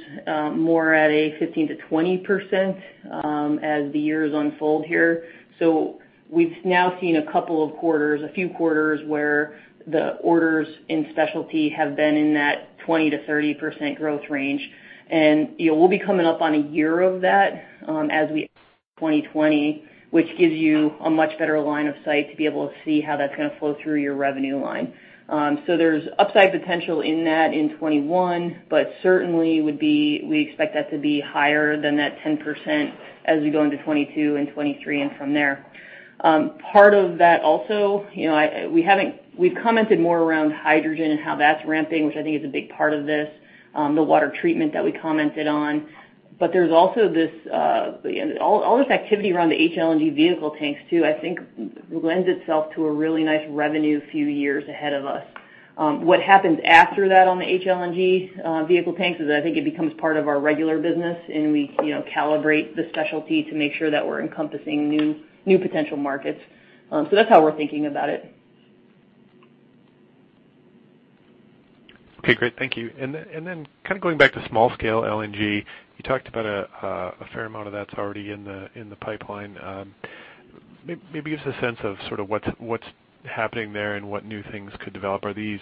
S2: more at a 15%-20% as the years unfold here. So we've now seen a couple of quarters, a few quarters where the orders in specialty have been in that 20%-30% growth range. And we'll be coming up on a year of that as we enter 2020, which gives you a much better line of sight to be able to see how that's going to flow through your revenue line. So there's upside potential in that in 2021, but certainly we expect that to be higher than that 10% as we go into 2022 and 2023 and from there. Part of that also, we've commented more around hydrogen and how that's ramping, which I think is a big part of this, the water treatment that we commented on. But there's also all this activity around the HLNG vehicle tanks too. I think it lends itself to a really nice revenue few years ahead of us. What happens after that on the HLNG vehicle tanks is that I think it becomes part of our regular business, and we calibrate the specialty to make sure that we're encompassing new potential markets. So that's how we're thinking about it.
S9: Okay. Great. Thank you. And then kind of going back to small-scale LNG, you talked about a fair amount of that's already in the pipeline. Maybe give us a sense of sort of what's happening there and what new things could develop. Is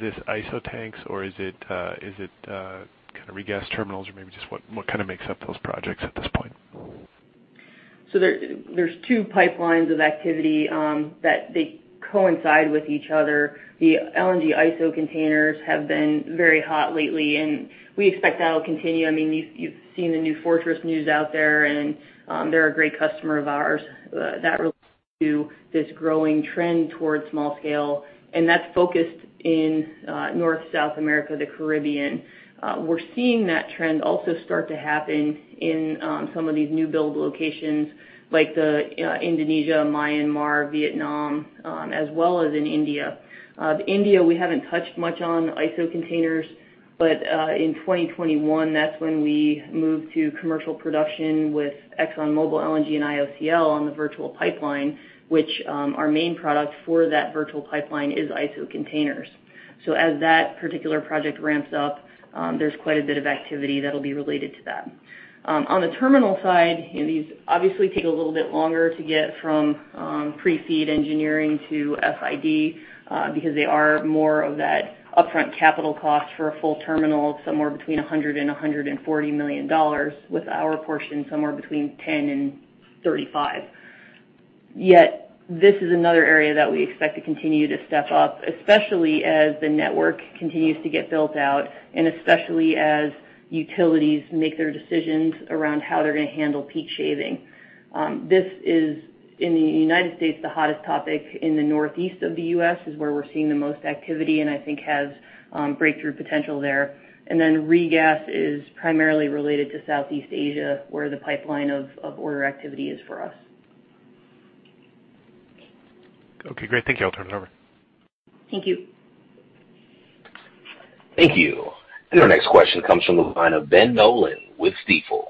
S9: this ISO tanks, or is it kind of regas terminals, or maybe just what kind of makes up those projects at this point?
S2: So there's two pipelines of activity that coincide with each other. The LNG ISO containers have been very hot lately, and we expect that'll continue. I mean, you've seen the New Fortress news out there, and they're a great customer of ours. That relates to this growing trend towards small-scale, and that's focused in North and South America, the Caribbean. We're seeing that trend also start to happen in some of these new build locations like Indonesia, Myanmar, Vietnam, as well as in India. India, we haven't touched much on ISO containers, but in 2021, that's when we moved to commercial production with ExxonMobil LNG and IOCL on the virtual pipeline, which our main product for that virtual pipeline is ISO containers. So as that particular project ramps up, there's quite a bit of activity that'll be related to that. On the terminal side, these obviously take a little bit longer to get from pre-FEED engineering to FID because they are more of that upfront capital cost for a full terminal, somewhere between $100 and $140 million, with our portion somewhere between $10 and $35. Yet this is another area that we expect to continue to step up, especially as the network continues to get built out and especially as utilities make their decisions around how they're going to handle peak shaving. This is, in the United States, the hottest topic. In the northeast of the U.S. is where we're seeing the most activity and I think has breakthrough potential there. And then regas is primarily related to Southeast Asia where the pipeline of order activity is for us.
S9: Okay. Great. Thank you. I'll turn it over.
S2: Thank you.
S1: Thank you. And our next question comes from the line of Ben Nolan with Stifel.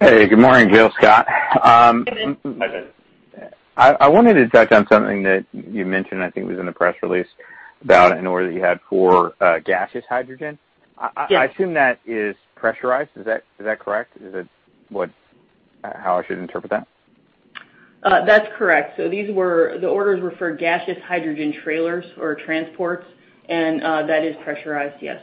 S10: Hey, good morning, Jill, Scott. I wanted to touch on something that you mentioned, I think it was in the press release, about an order that you had for gaseous hydrogen. I assume that is pressurized. Is that correct? Is that how I should interpret that?
S2: That's correct. So the orders were for gaseous hydrogen trailers or transports, and that is pressurized, yes.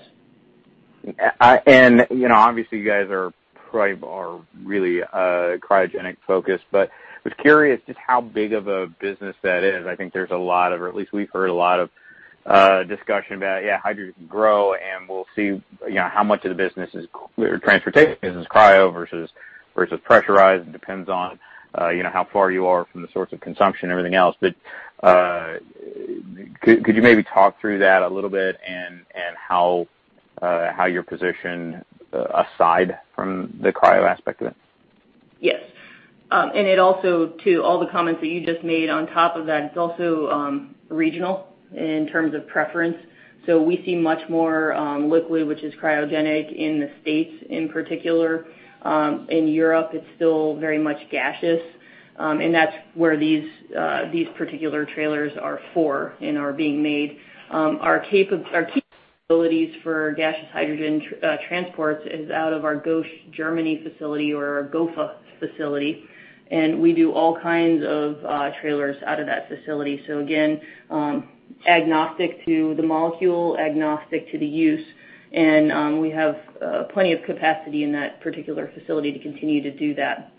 S10: And obviously, you guys are probably really cryogenic-focused, but I was curious just how big of a business that is. I think there's a lot of, or at least we've heard a lot of discussion about, yeah, hydrogen can grow, and we'll see how much of the business is transportation business, cryo versus pressurized. It depends on how far you are from the source of consumption and everything else. But could you maybe talk through that a little bit and how your position aside from the cryo aspect of it?
S2: Yes. And also, to all the comments that you just made on top of that, it's also regional in terms of preference. So we see much more liquid, which is cryogenic, in the States in particular. In Europe, it's still very much gaseous, and that's where these particular trailers are for and are being made. Our capabilities for gaseous hydrogen transports is out of our Goch, Germany facility or our GOFA facility. And we do all kinds of trailers out of that facility. So again, agnostic to the molecule, agnostic to the use, and we have plenty of capacity in that particular facility to continue to do that.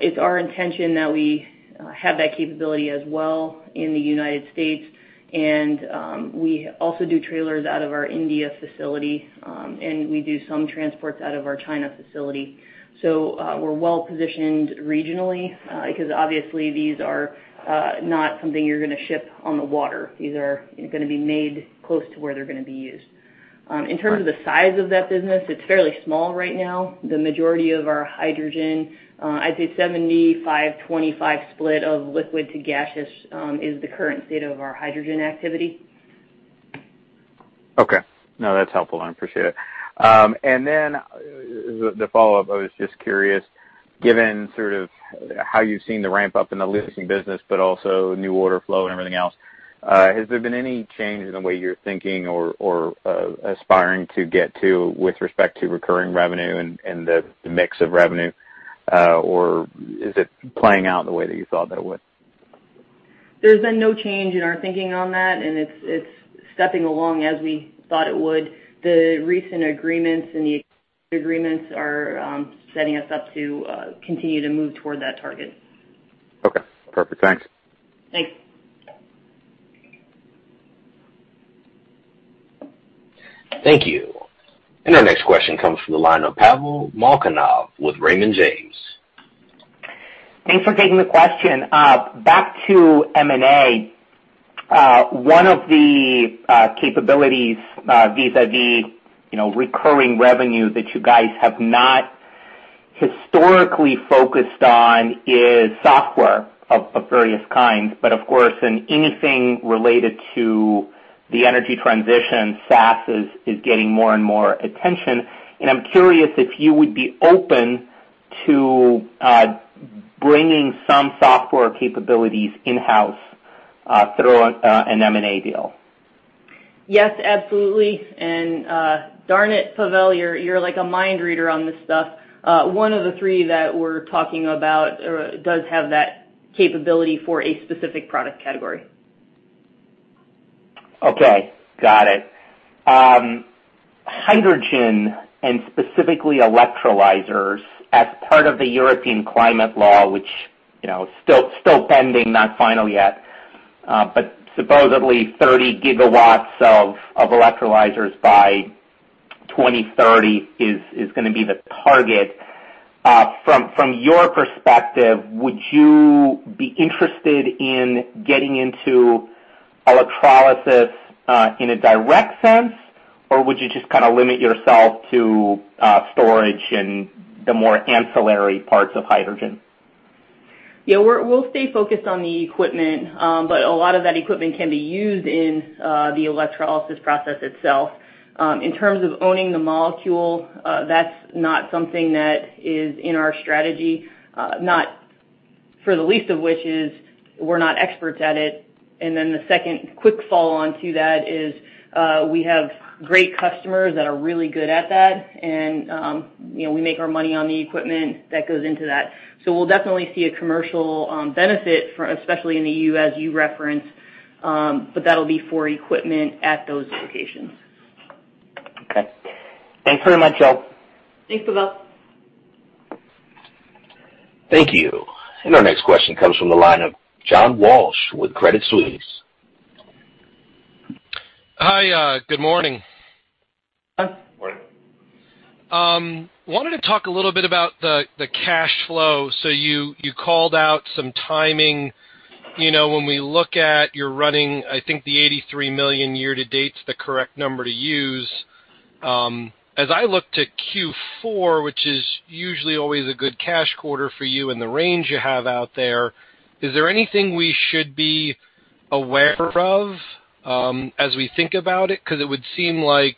S2: It's our intention that we have that capability as well in the United States. And we also do trailers out of our India facility, and we do some transports out of our China facility. So we're well-positioned regionally because, obviously, these are not something you're going to ship on the water. These are going to be made close to where they're going to be used. In terms of the size of that business, it's fairly small right now. The majority of our hydrogen, I'd say 75/25 split of liquid to gaseous is the current state of our hydrogen activity.
S10: Okay. No, that's helpful. I appreciate it. And then as a follow-up, I was just curious, given sort of how you've seen the ramp-up in the leasing business, but also new order flow and everything else, has there been any change in the way you're thinking or aspiring to get to with respect to recurring revenue and the mix of revenue, or is it playing out the way that you thought that it would?
S2: There's been no change in our thinking on that, and it's stepping along as we thought it would. The recent agreements and the agreements are setting us up to continue to move toward that target.
S10: Okay. Perfect. Thanks.
S2: Thanks.
S1: Thank you. And our next question comes from the line of Pavel Molchanov with Raymond James.
S11: Thanks for taking the question. Back to M&A, one of the capabilities vis-à-vis recurring revenue that you guys have not historically focused on is software of various kinds. But of course, in anything related to the energy transition, SaaS is getting more and more attention. And I'm curious if you would be open to bringing some software capabilities in-house through an M&A deal.
S2: Yes, absolutely. And darn it, Pavel, you're like a mind reader on this stuff. One of the three that we're talking about does have that capability for a specific product category.
S11: Okay. Got it. Hydrogen and specifically electrolyzers as part of the European climate law, which is still pending, not final yet, but supposedly 30 gigawatts of electrolyzers by 2030 is going to be the target. From your perspective, would you be interested in getting into electrolysis in a direct sense, or would you just kind of limit yourself to storage and the more ancillary parts of hydrogen?
S2: Yeah. We'll stay focused on the equipment, but a lot of that equipment can be used in the electrolysis process itself. In terms of owning the molecule, that's not something that is in our strategy, at the very least which is we're not experts at it. And then the second quick follow-on to that is we have great customers that are really good at that, and we make our money on the equipment that goes into that. So we'll definitely see a commercial benefit, especially in the EU, as you referenced, but that'll be for equipment at those locations.
S11: Okay. Thanks very much, Jill.
S2: Thanks, Pavel.
S1: Thank you. And our next question comes from the line of John Walsh with Credit Suisse.
S12: Hi. Good morning. Good morning. Wanted to talk a little bit about the cash flow. So you called out some timing. When we look at your run rate, I think the $83 million year-to-date is the correct number to use. As I look to Q4, which is usually always a good cash quarter for you and the range you have out there, is there anything we should be aware of as we think about it? Because it would seem like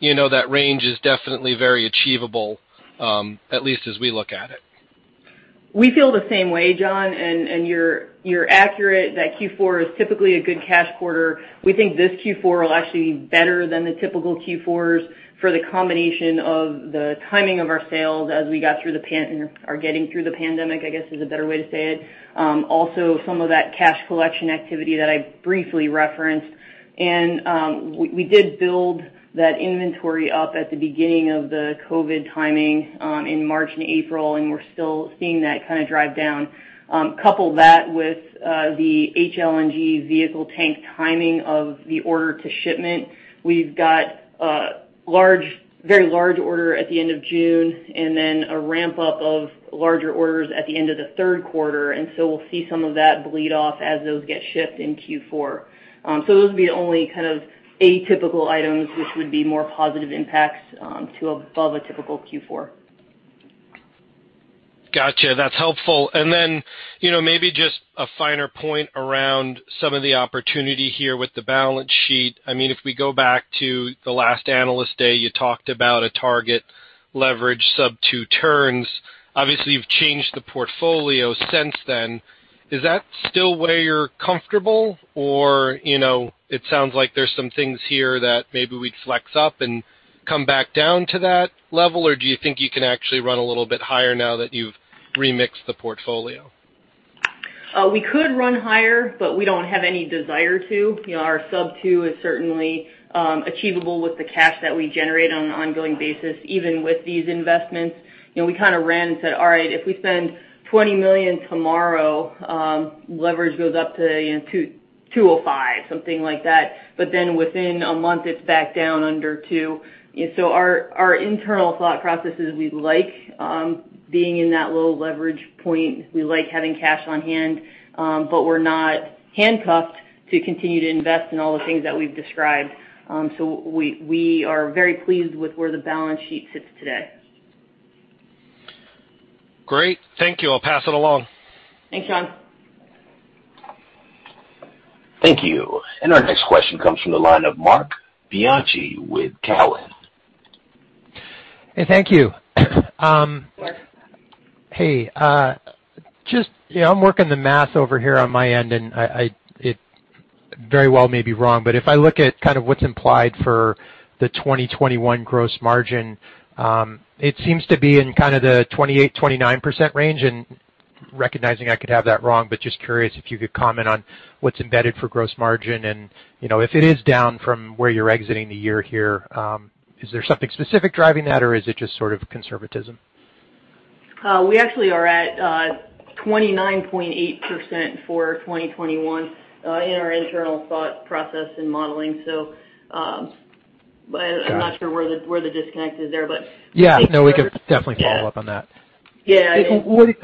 S12: that range is definitely very achievable, at least as we look at it.
S2: We feel the same way, John, and you're accurate. That Q4 is typically a good cash quarter. We think this Q4 will actually be better than the typical Q4s for the combination of the timing of our sales as we got through the pandemic, or getting through the pandemic, I guess, is a better way to say it. Also, some of that cash collection activity that I briefly referenced. We did build that inventory up at the beginning of the COVID timing in March and April, and we're still seeing that kind of drive down. Couple that with the HLNG vehicle tank timing of the order to shipment. We've got a very large order at the end of June and then a ramp-up of larger orders at the end of the third quarter. We'll see some of that bleed off as those get shipped in Q4. Those would be the only kind of atypical items which would be more positive impacts to above a typical Q4.
S12: Gotcha. That's helpful. Then maybe just a finer point around some of the opportunity here with the balance sheet. I mean, if we go back to the last analyst day, you talked about a target leverage sub two turns. Obviously, you've changed the portfolio since then. Is that still where you're comfortable, or it sounds like there's some things here that maybe we'd flex up and come back down to that level, or do you think you can actually run a little bit higher now that you've remixed the portfolio?
S2: We could run higher, but we don't have any desire to. Our sub two is certainly achievable with the cash that we generate on an ongoing basis, even with these investments. We kind of ran and said, "All right, if we spend $20 million tomorrow, leverage goes up to 205," something like that. But then within a month, it's back down under two. So our internal thought process is we like being in that low leverage point. We like having cash on hand, but we're not handcuffed to continue to invest in all the things that we've described. So we are very pleased with where the balance sheet sits today.
S12: Great. Thank you. I'll pass it along.
S2: Thanks, John.
S1: Thank you. And our next question comes from the line of Marc Bianchi with Cowen.
S13: Hey, thank you. Hey. I'm working the math over here on my end, and it very well may be wrong. But if I look at kind of what's implied for the 2021 gross margin, it seems to be in kind of the 28%-29% range. And recognizing I could have that wrong, but just curious if you could comment on what's embedded for gross margin. And if it is down from where you're exiting the year here, is there something specific driving that, or is it just sort of conservatism? We actually are at 29.8% for 2021 in our internal thought process and modeling.
S2: I'm not sure where the disconnect is there, but-
S13: Yeah. No, we could definitely follow up on that. Yeah.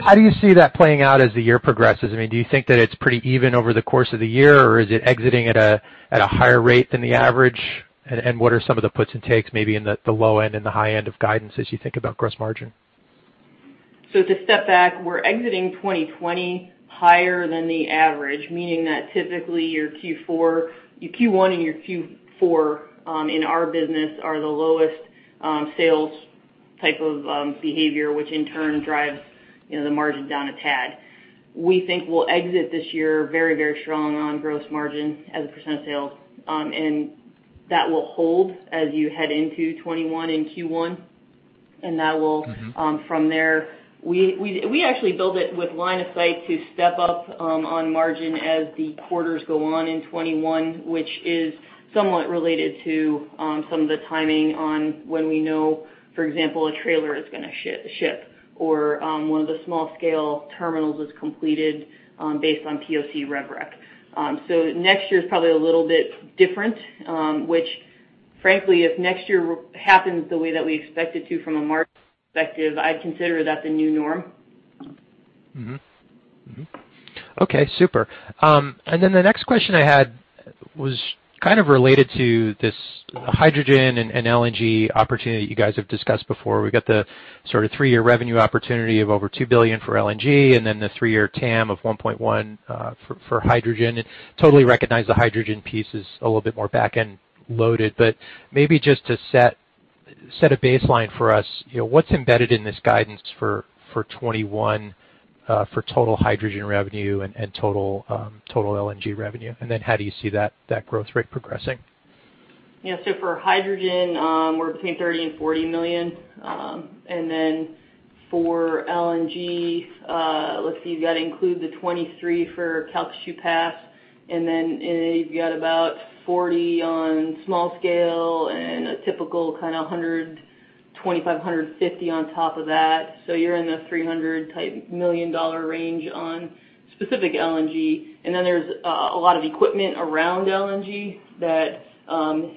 S13: How do you see that playing out as the year progresses? I mean, do you think that it's pretty even over the course of the year, or is it exiting at a higher rate than the average? And what are some of the puts and takes, maybe in the low end and the high end of guidance as you think about gross margin?
S2: To step back, we're exiting 2020 higher than the average, meaning that typically your Q1 and your Q4 in our business are the lowest sales type of behavior, which in turn drives the margin down a tad. We think we'll exit this year very, very strong on gross margin as a % of sales. That will hold as you head into 2021 in Q1. That will, from there, we actually build it with line of sight to step up on margin as the quarters go on in 2021, which is somewhat related to some of the timing on when we know, for example, a trailer is going to ship or one of the small-scale terminals is completed based on POC rev rec. So next year is probably a little bit different, which frankly, if next year happens the way that we expect it to from a market perspective, I'd consider that the new norm.
S13: Okay. Super. And then the next question I had was kind of related to this hydrogen and LNG opportunity that you guys have discussed before. We got the sort of three-year revenue opportunity of over $2 billion for LNG and then the three-year TAM of $1.1 billion for hydrogen. I totally recognize the hydrogen piece is a little bit more back-end loaded. But maybe just to set a baseline for us, what's embedded in this guidance for 2021 for total hydrogen revenue and total LNG revenue? And then how do you see that growth rate progressing?
S2: Yeah. So for hydrogen, we're between $30 million and $40 million. And then for LNG, let's see. You've got to include the $23 million for Calcasieu Pass. And then you've got about $40 million on small scale and a typical kind of $120 million-$550 million on top of that. So you're in the $300 million range on specific LNG. And then there's a lot of equipment around LNG that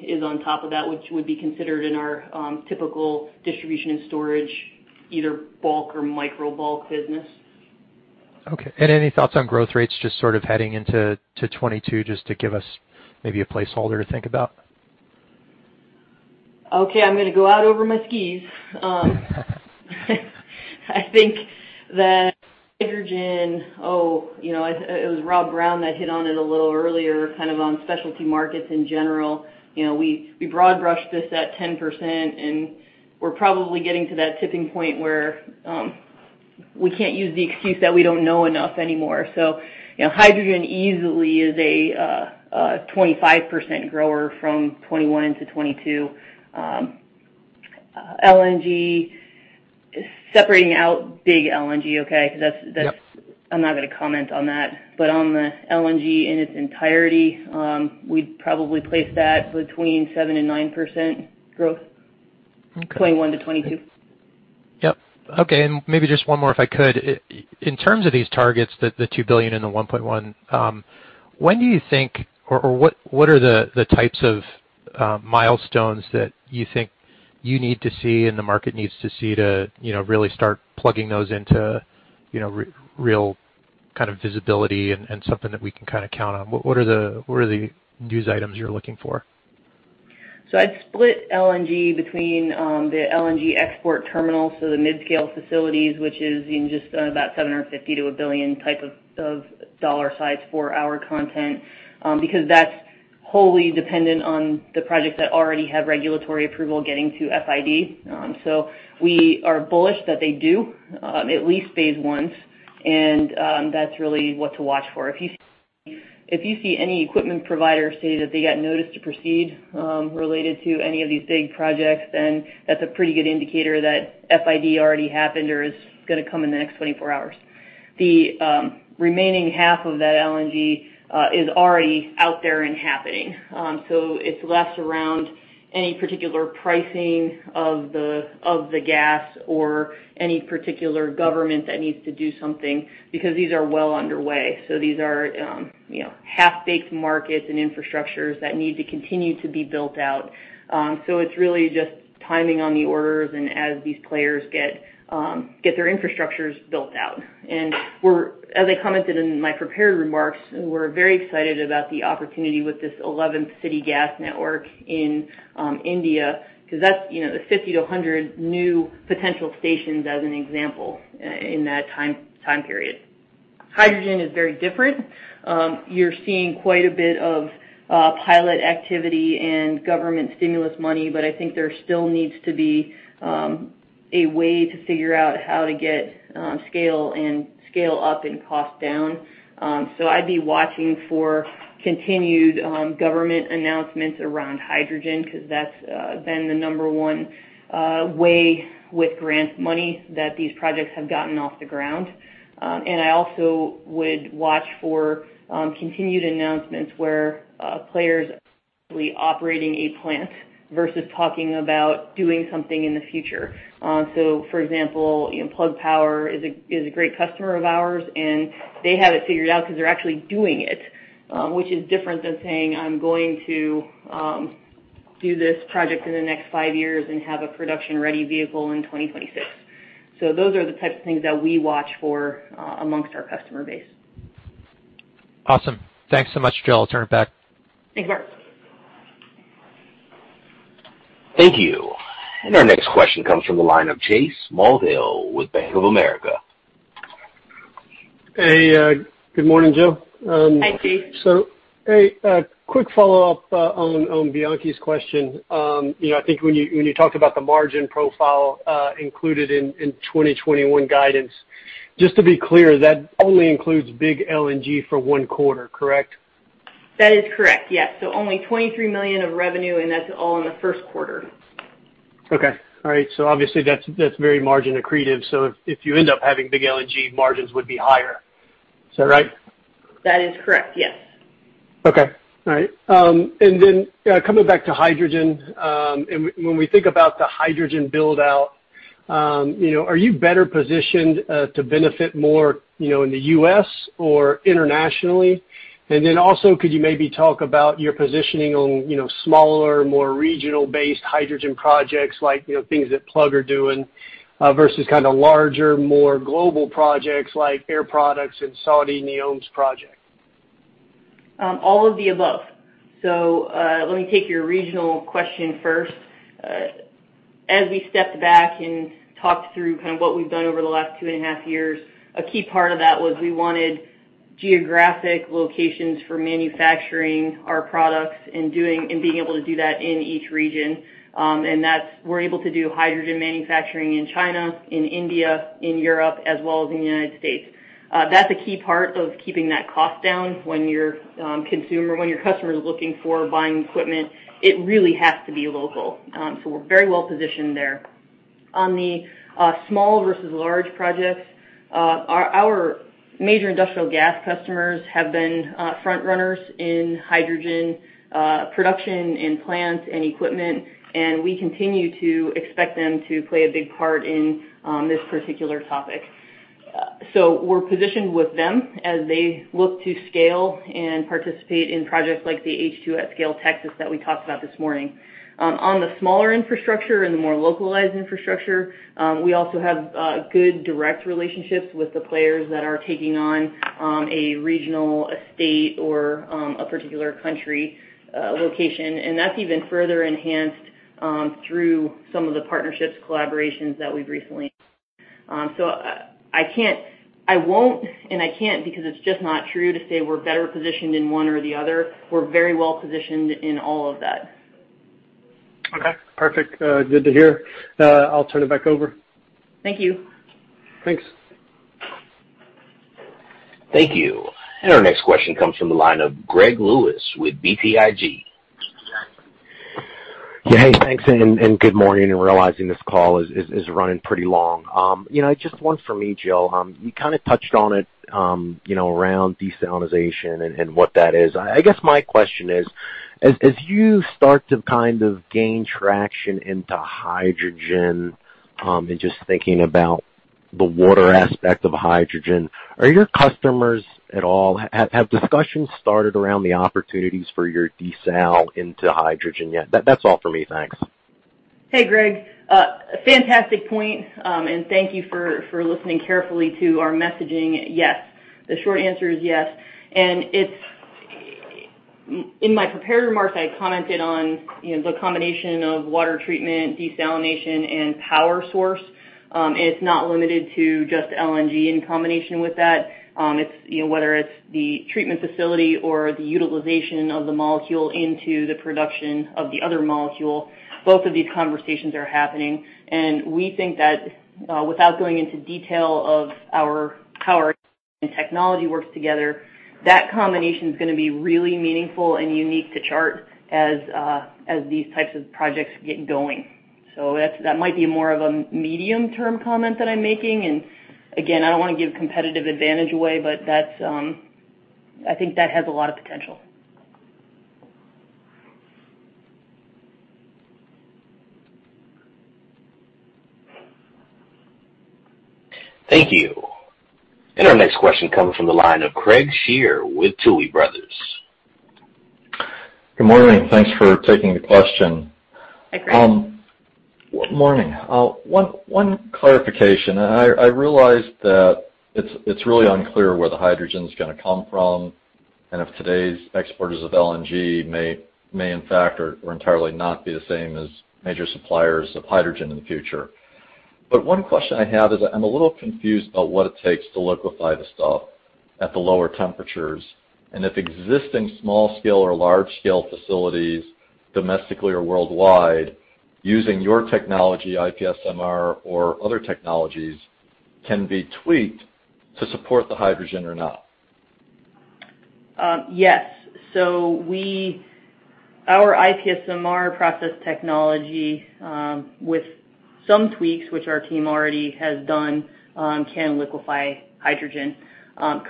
S2: is on top of that, which would be considered in our typical distribution and storage, either bulk or micro bulk business.
S13: Okay. Any thoughts on growth rates just sort of heading into 2022 just to give us maybe a placeholder to think about?
S2: Okay. I'm going to go out over my skis. I think that hydrogen, oh, it was Rob Brown that hit on it a little earlier, kind of on specialty markets in general. We broad brushed this at 10%, and we're probably getting to that tipping point where we can't use the excuse that we don't know enough anymore. So hydrogen easily is a 25% grower from 2021 into 2022. LNG, separating out big LNG, okay, because I'm not going to comment on that. But on the LNG in its entirety, we'd probably place that between 7%-9% growth, 2021 to 2022.
S13: Yep. Okay. And maybe just one more if I could. In terms of these targets, the $2 billion and the $1.1 billion, when do you think, or what are the types of milestones that you think you need to see and the market needs to see to really start plugging those into real kind of visibility and something that we can kind of count on? What are the news items you're looking for?
S2: So I'd split LNG between the LNG export terminals, so the mid-scale facilities, which is just about $750 million-$1 billion type of dollar size for our content, because that's wholly dependent on the projects that already have regulatory approval getting to FID. So we are bullish that they do at least Phase 1. And that's really what to watch for. If you see any equipment provider say that they got notice to proceed related to any of these big projects, then that's a pretty good indicator that FID already happened or is going to come in the next 24 hours. The remaining half of that LNG is already out there and happening. So it's less around any particular pricing of the gas or any particular government that needs to do something because these are well underway. So these are half-baked markets and infrastructures that need to continue to be built out. So it's really just timing on the orders and as these players get their infrastructures built out. And as I commented in my prepared remarks, we're very excited about the opportunity with this 11th city gas network in India because that's 50 to 100 new potential stations as an example in that time period. Hydrogen is very different. You're seeing quite a bit of pilot activity and government stimulus money, but I think there still needs to be a way to figure out how to get scale and scale up and cost down. So I'd be watching for continued government announcements around hydrogen because that's been the number one way with grant money that these projects have gotten off the ground. And I also would watch for continued announcements where players are operating a plant versus talking about doing something in the future. So, for example, Plug Power is a great customer of ours, and they have it figured out because they're actually doing it, which is different than saying, "I'm going to do this project in the next five years and have a production-ready vehicle in 2026." So those are the types of things that we watch for amongst our customer base.
S13: Awesome. Thanks so much, Jill. I'll turn it back.
S2: Thanks, Marc.
S1: Thank you. And our next question comes from the line of Chase Mulvehill with Bank of America.
S14: Hey. Good morning, Jill.
S2: Hi, Chase.
S14: So a quick follow-up on Bianchi's question. I think when you talked about the margin profile included in 2021 guidance, just to be clear, that only includes big LNG for one quarter, correct?
S2: That is correct. Yes. So only $23 million of revenue, and that's all in the first quarter.
S14: Okay. All right. So obviously, that's very margin accretive. So if you end up having big LNG, margins would be higher. Is that right?
S2: That is correct. Yes.
S14: Okay. All right. And then coming back to hydrogen, when we think about the hydrogen buildout, are you better positioned to benefit more in the U.S. or internationally? And then also, could you maybe talk about your positioning on smaller, more regional-based hydrogen projects like things that Plug are doing versus kind of larger, more global projects like Air Products and Saudi NEOM's project?
S2: All of the above. So let me take your regional question first. As we stepped back and talked through kind of what we've done over the last two and a half years, a key part of that was we wanted geographic locations for manufacturing our products and being able to do that in each region. And we're able to do hydrogen manufacturing in China, in India, in Europe, as well as in the United States. That's a key part of keeping that cost down when your customer is looking for buying equipment. It really has to be local. So we're very well positioned there. On the small versus large projects, our major industrial gas customers have been front runners in hydrogen production and plants and equipment, and we continue to expect them to play a big part in this particular topic. So we're positioned with them as they look to scale and participate in projects like the H2@Scale Texas that we talked about this morning. On the smaller infrastructure and the more localized infrastructure, we also have good direct relationships with the players that are taking on a regional, a state, or a particular country location. And that's even further enhanced through some of the partnerships, collaborations that we've recently. So I won't, and I can't because it's just not true to say we're better positioned in one or the other. We're very well positioned in all of that.
S14: Okay. Perfect. Good to hear. I'll turn it back over.
S2: Thank you.
S14: Thanks.
S1: Thank you. And our next question comes from the line of Greg Lewis with BTIG.
S15: Yeah. Hey, thanks. And good morning. And realizing this call is running pretty long. Just one for me, Jill. You kind of touched on it around desalination and what that is. I guess my question is, as you start to kind of gain traction into hydrogen and just thinking about the water aspect of hydrogen, are your customers at all have discussions started around the opportunities for your desal into hydrogen yet? That's all for me. Thanks.
S2: Hey, Greg. Fantastic point. And thank you for listening carefully to our messaging. Yes. The short answer is yes. And in my prepared remarks, I commented on the combination of water treatment, desalination, and power source. And it's not limited to just LNG in combination with that. Whether it's the treatment facility or the utilization of the molecule into the production of the other molecule, both of these conversations are happening. And we think that without going into detail of how our technology works together, that combination is going to be really meaningful and unique to Chart as these types of projects get going. So that might be more of a medium-term comment that I'm making. And again, I don't want to give competitive advantage away, but I think that has a lot of potential.
S1: Thank you. And our next question comes from the line of Craig Shere with Tuohy Brothers.
S16: Good morning. Thanks for taking the question.
S2: Hi, Craig.
S16: Good morning. One clarification. I realized that it's really unclear where the hydrogen is going to come from and if today's exporters of LNG may, in fact, or entirely not be the same as major suppliers of hydrogen in the future. But one question I have is I'm a little confused about what it takes to liquefy the stuff at the lower temperatures, and if existing small-scale or large-scale facilities domestically or worldwide using your technology, IPSMR, or other technologies can be tweaked to support the hydrogen or not?
S2: Yes, so our IPSMR process technology with some tweaks, which our team already has done, can liquefy hydrogen.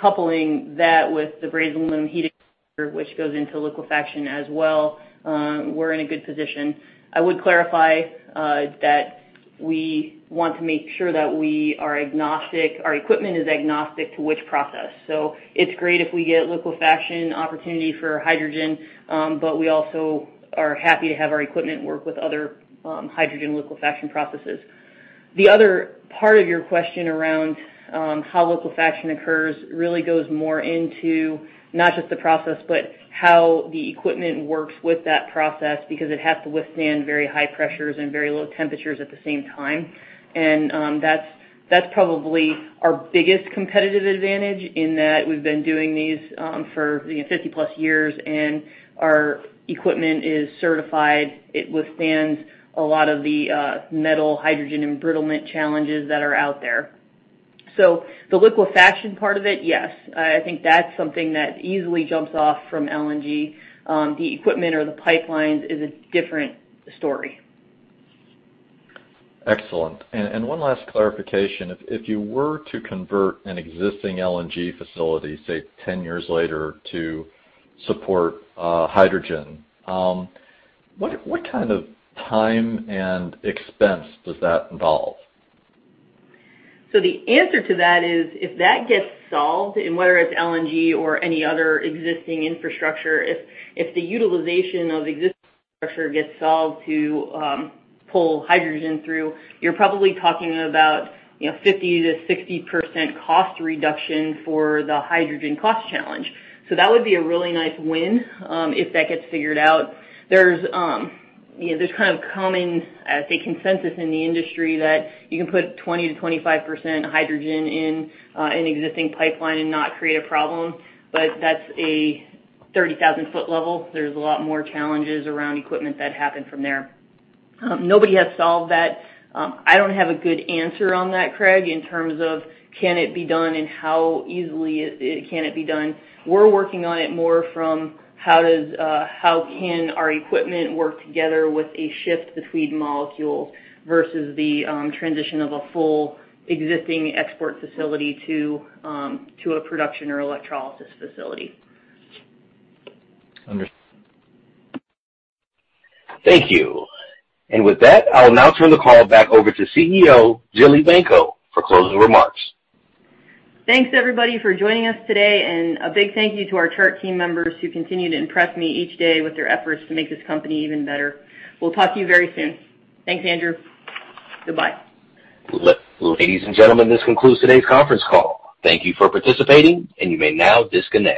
S2: Coupling that with the brazed aluminum heat exchangers, which goes into liquefaction as well, we're in a good position. I would clarify that we want to make sure that our equipment is agnostic to which process. So it's great if we get liquefaction opportunity for hydrogen, but we also are happy to have our equipment work with other hydrogen liquefaction processes. The other part of your question around how liquefaction occurs really goes more into not just the process, but how the equipment works with that process because it has to withstand very high pressures and very low temperatures at the same time. And that's probably our biggest competitive advantage in that we've been doing these for 50+ years, and our equipment is certified. It withstands a lot of the metal hydrogen embrittlement challenges that are out there. So the liquefaction part of it, yes. I think that's something that easily jumps off from LNG. The equipment or the pipelines is a different story.
S16: Excellent. And one last clarification. If you were to convert an existing LNG facility, say, 10 years later to support hydrogen, what kind of time and expense does that involve?
S2: So the answer to that is if that gets solved, and whether it's LNG or any other existing infrastructure, if the utilization of existing infrastructure gets solved to pull hydrogen through, you're probably talking about 50%-60% cost reduction for the hydrogen cost challenge. So that would be a really nice win if that gets figured out. There's kind of common, I'd say, consensus in the industry that you can put 20%-25% hydrogen in an existing pipeline and not create a problem. But that's a 30,000-foot level. There's a lot more challenges around equipment that happen from there. Nobody has solved that. I don't have a good answer on that, Craig, in terms of can it be done and how easily can it be done? We're working on it more from how can our equipment work together with a shift between molecules versus the transition of a full existing export facility to a production or electrolysis facility?
S16: Understood.
S1: Thank you. And with that, I'll now turn the call back over to CEO Jill Evanko for closing remarks.
S2: Thanks, everybody, for joining us today. And a big thank you to our Chart team members who continue to impress me each day with their efforts to make this company even better. We'll talk to you very soon. Thanks, Andrew. Goodbye.
S1: Ladies and gentlemen, this concludes today's conference call. Thank you for participating, and you may now disconnect.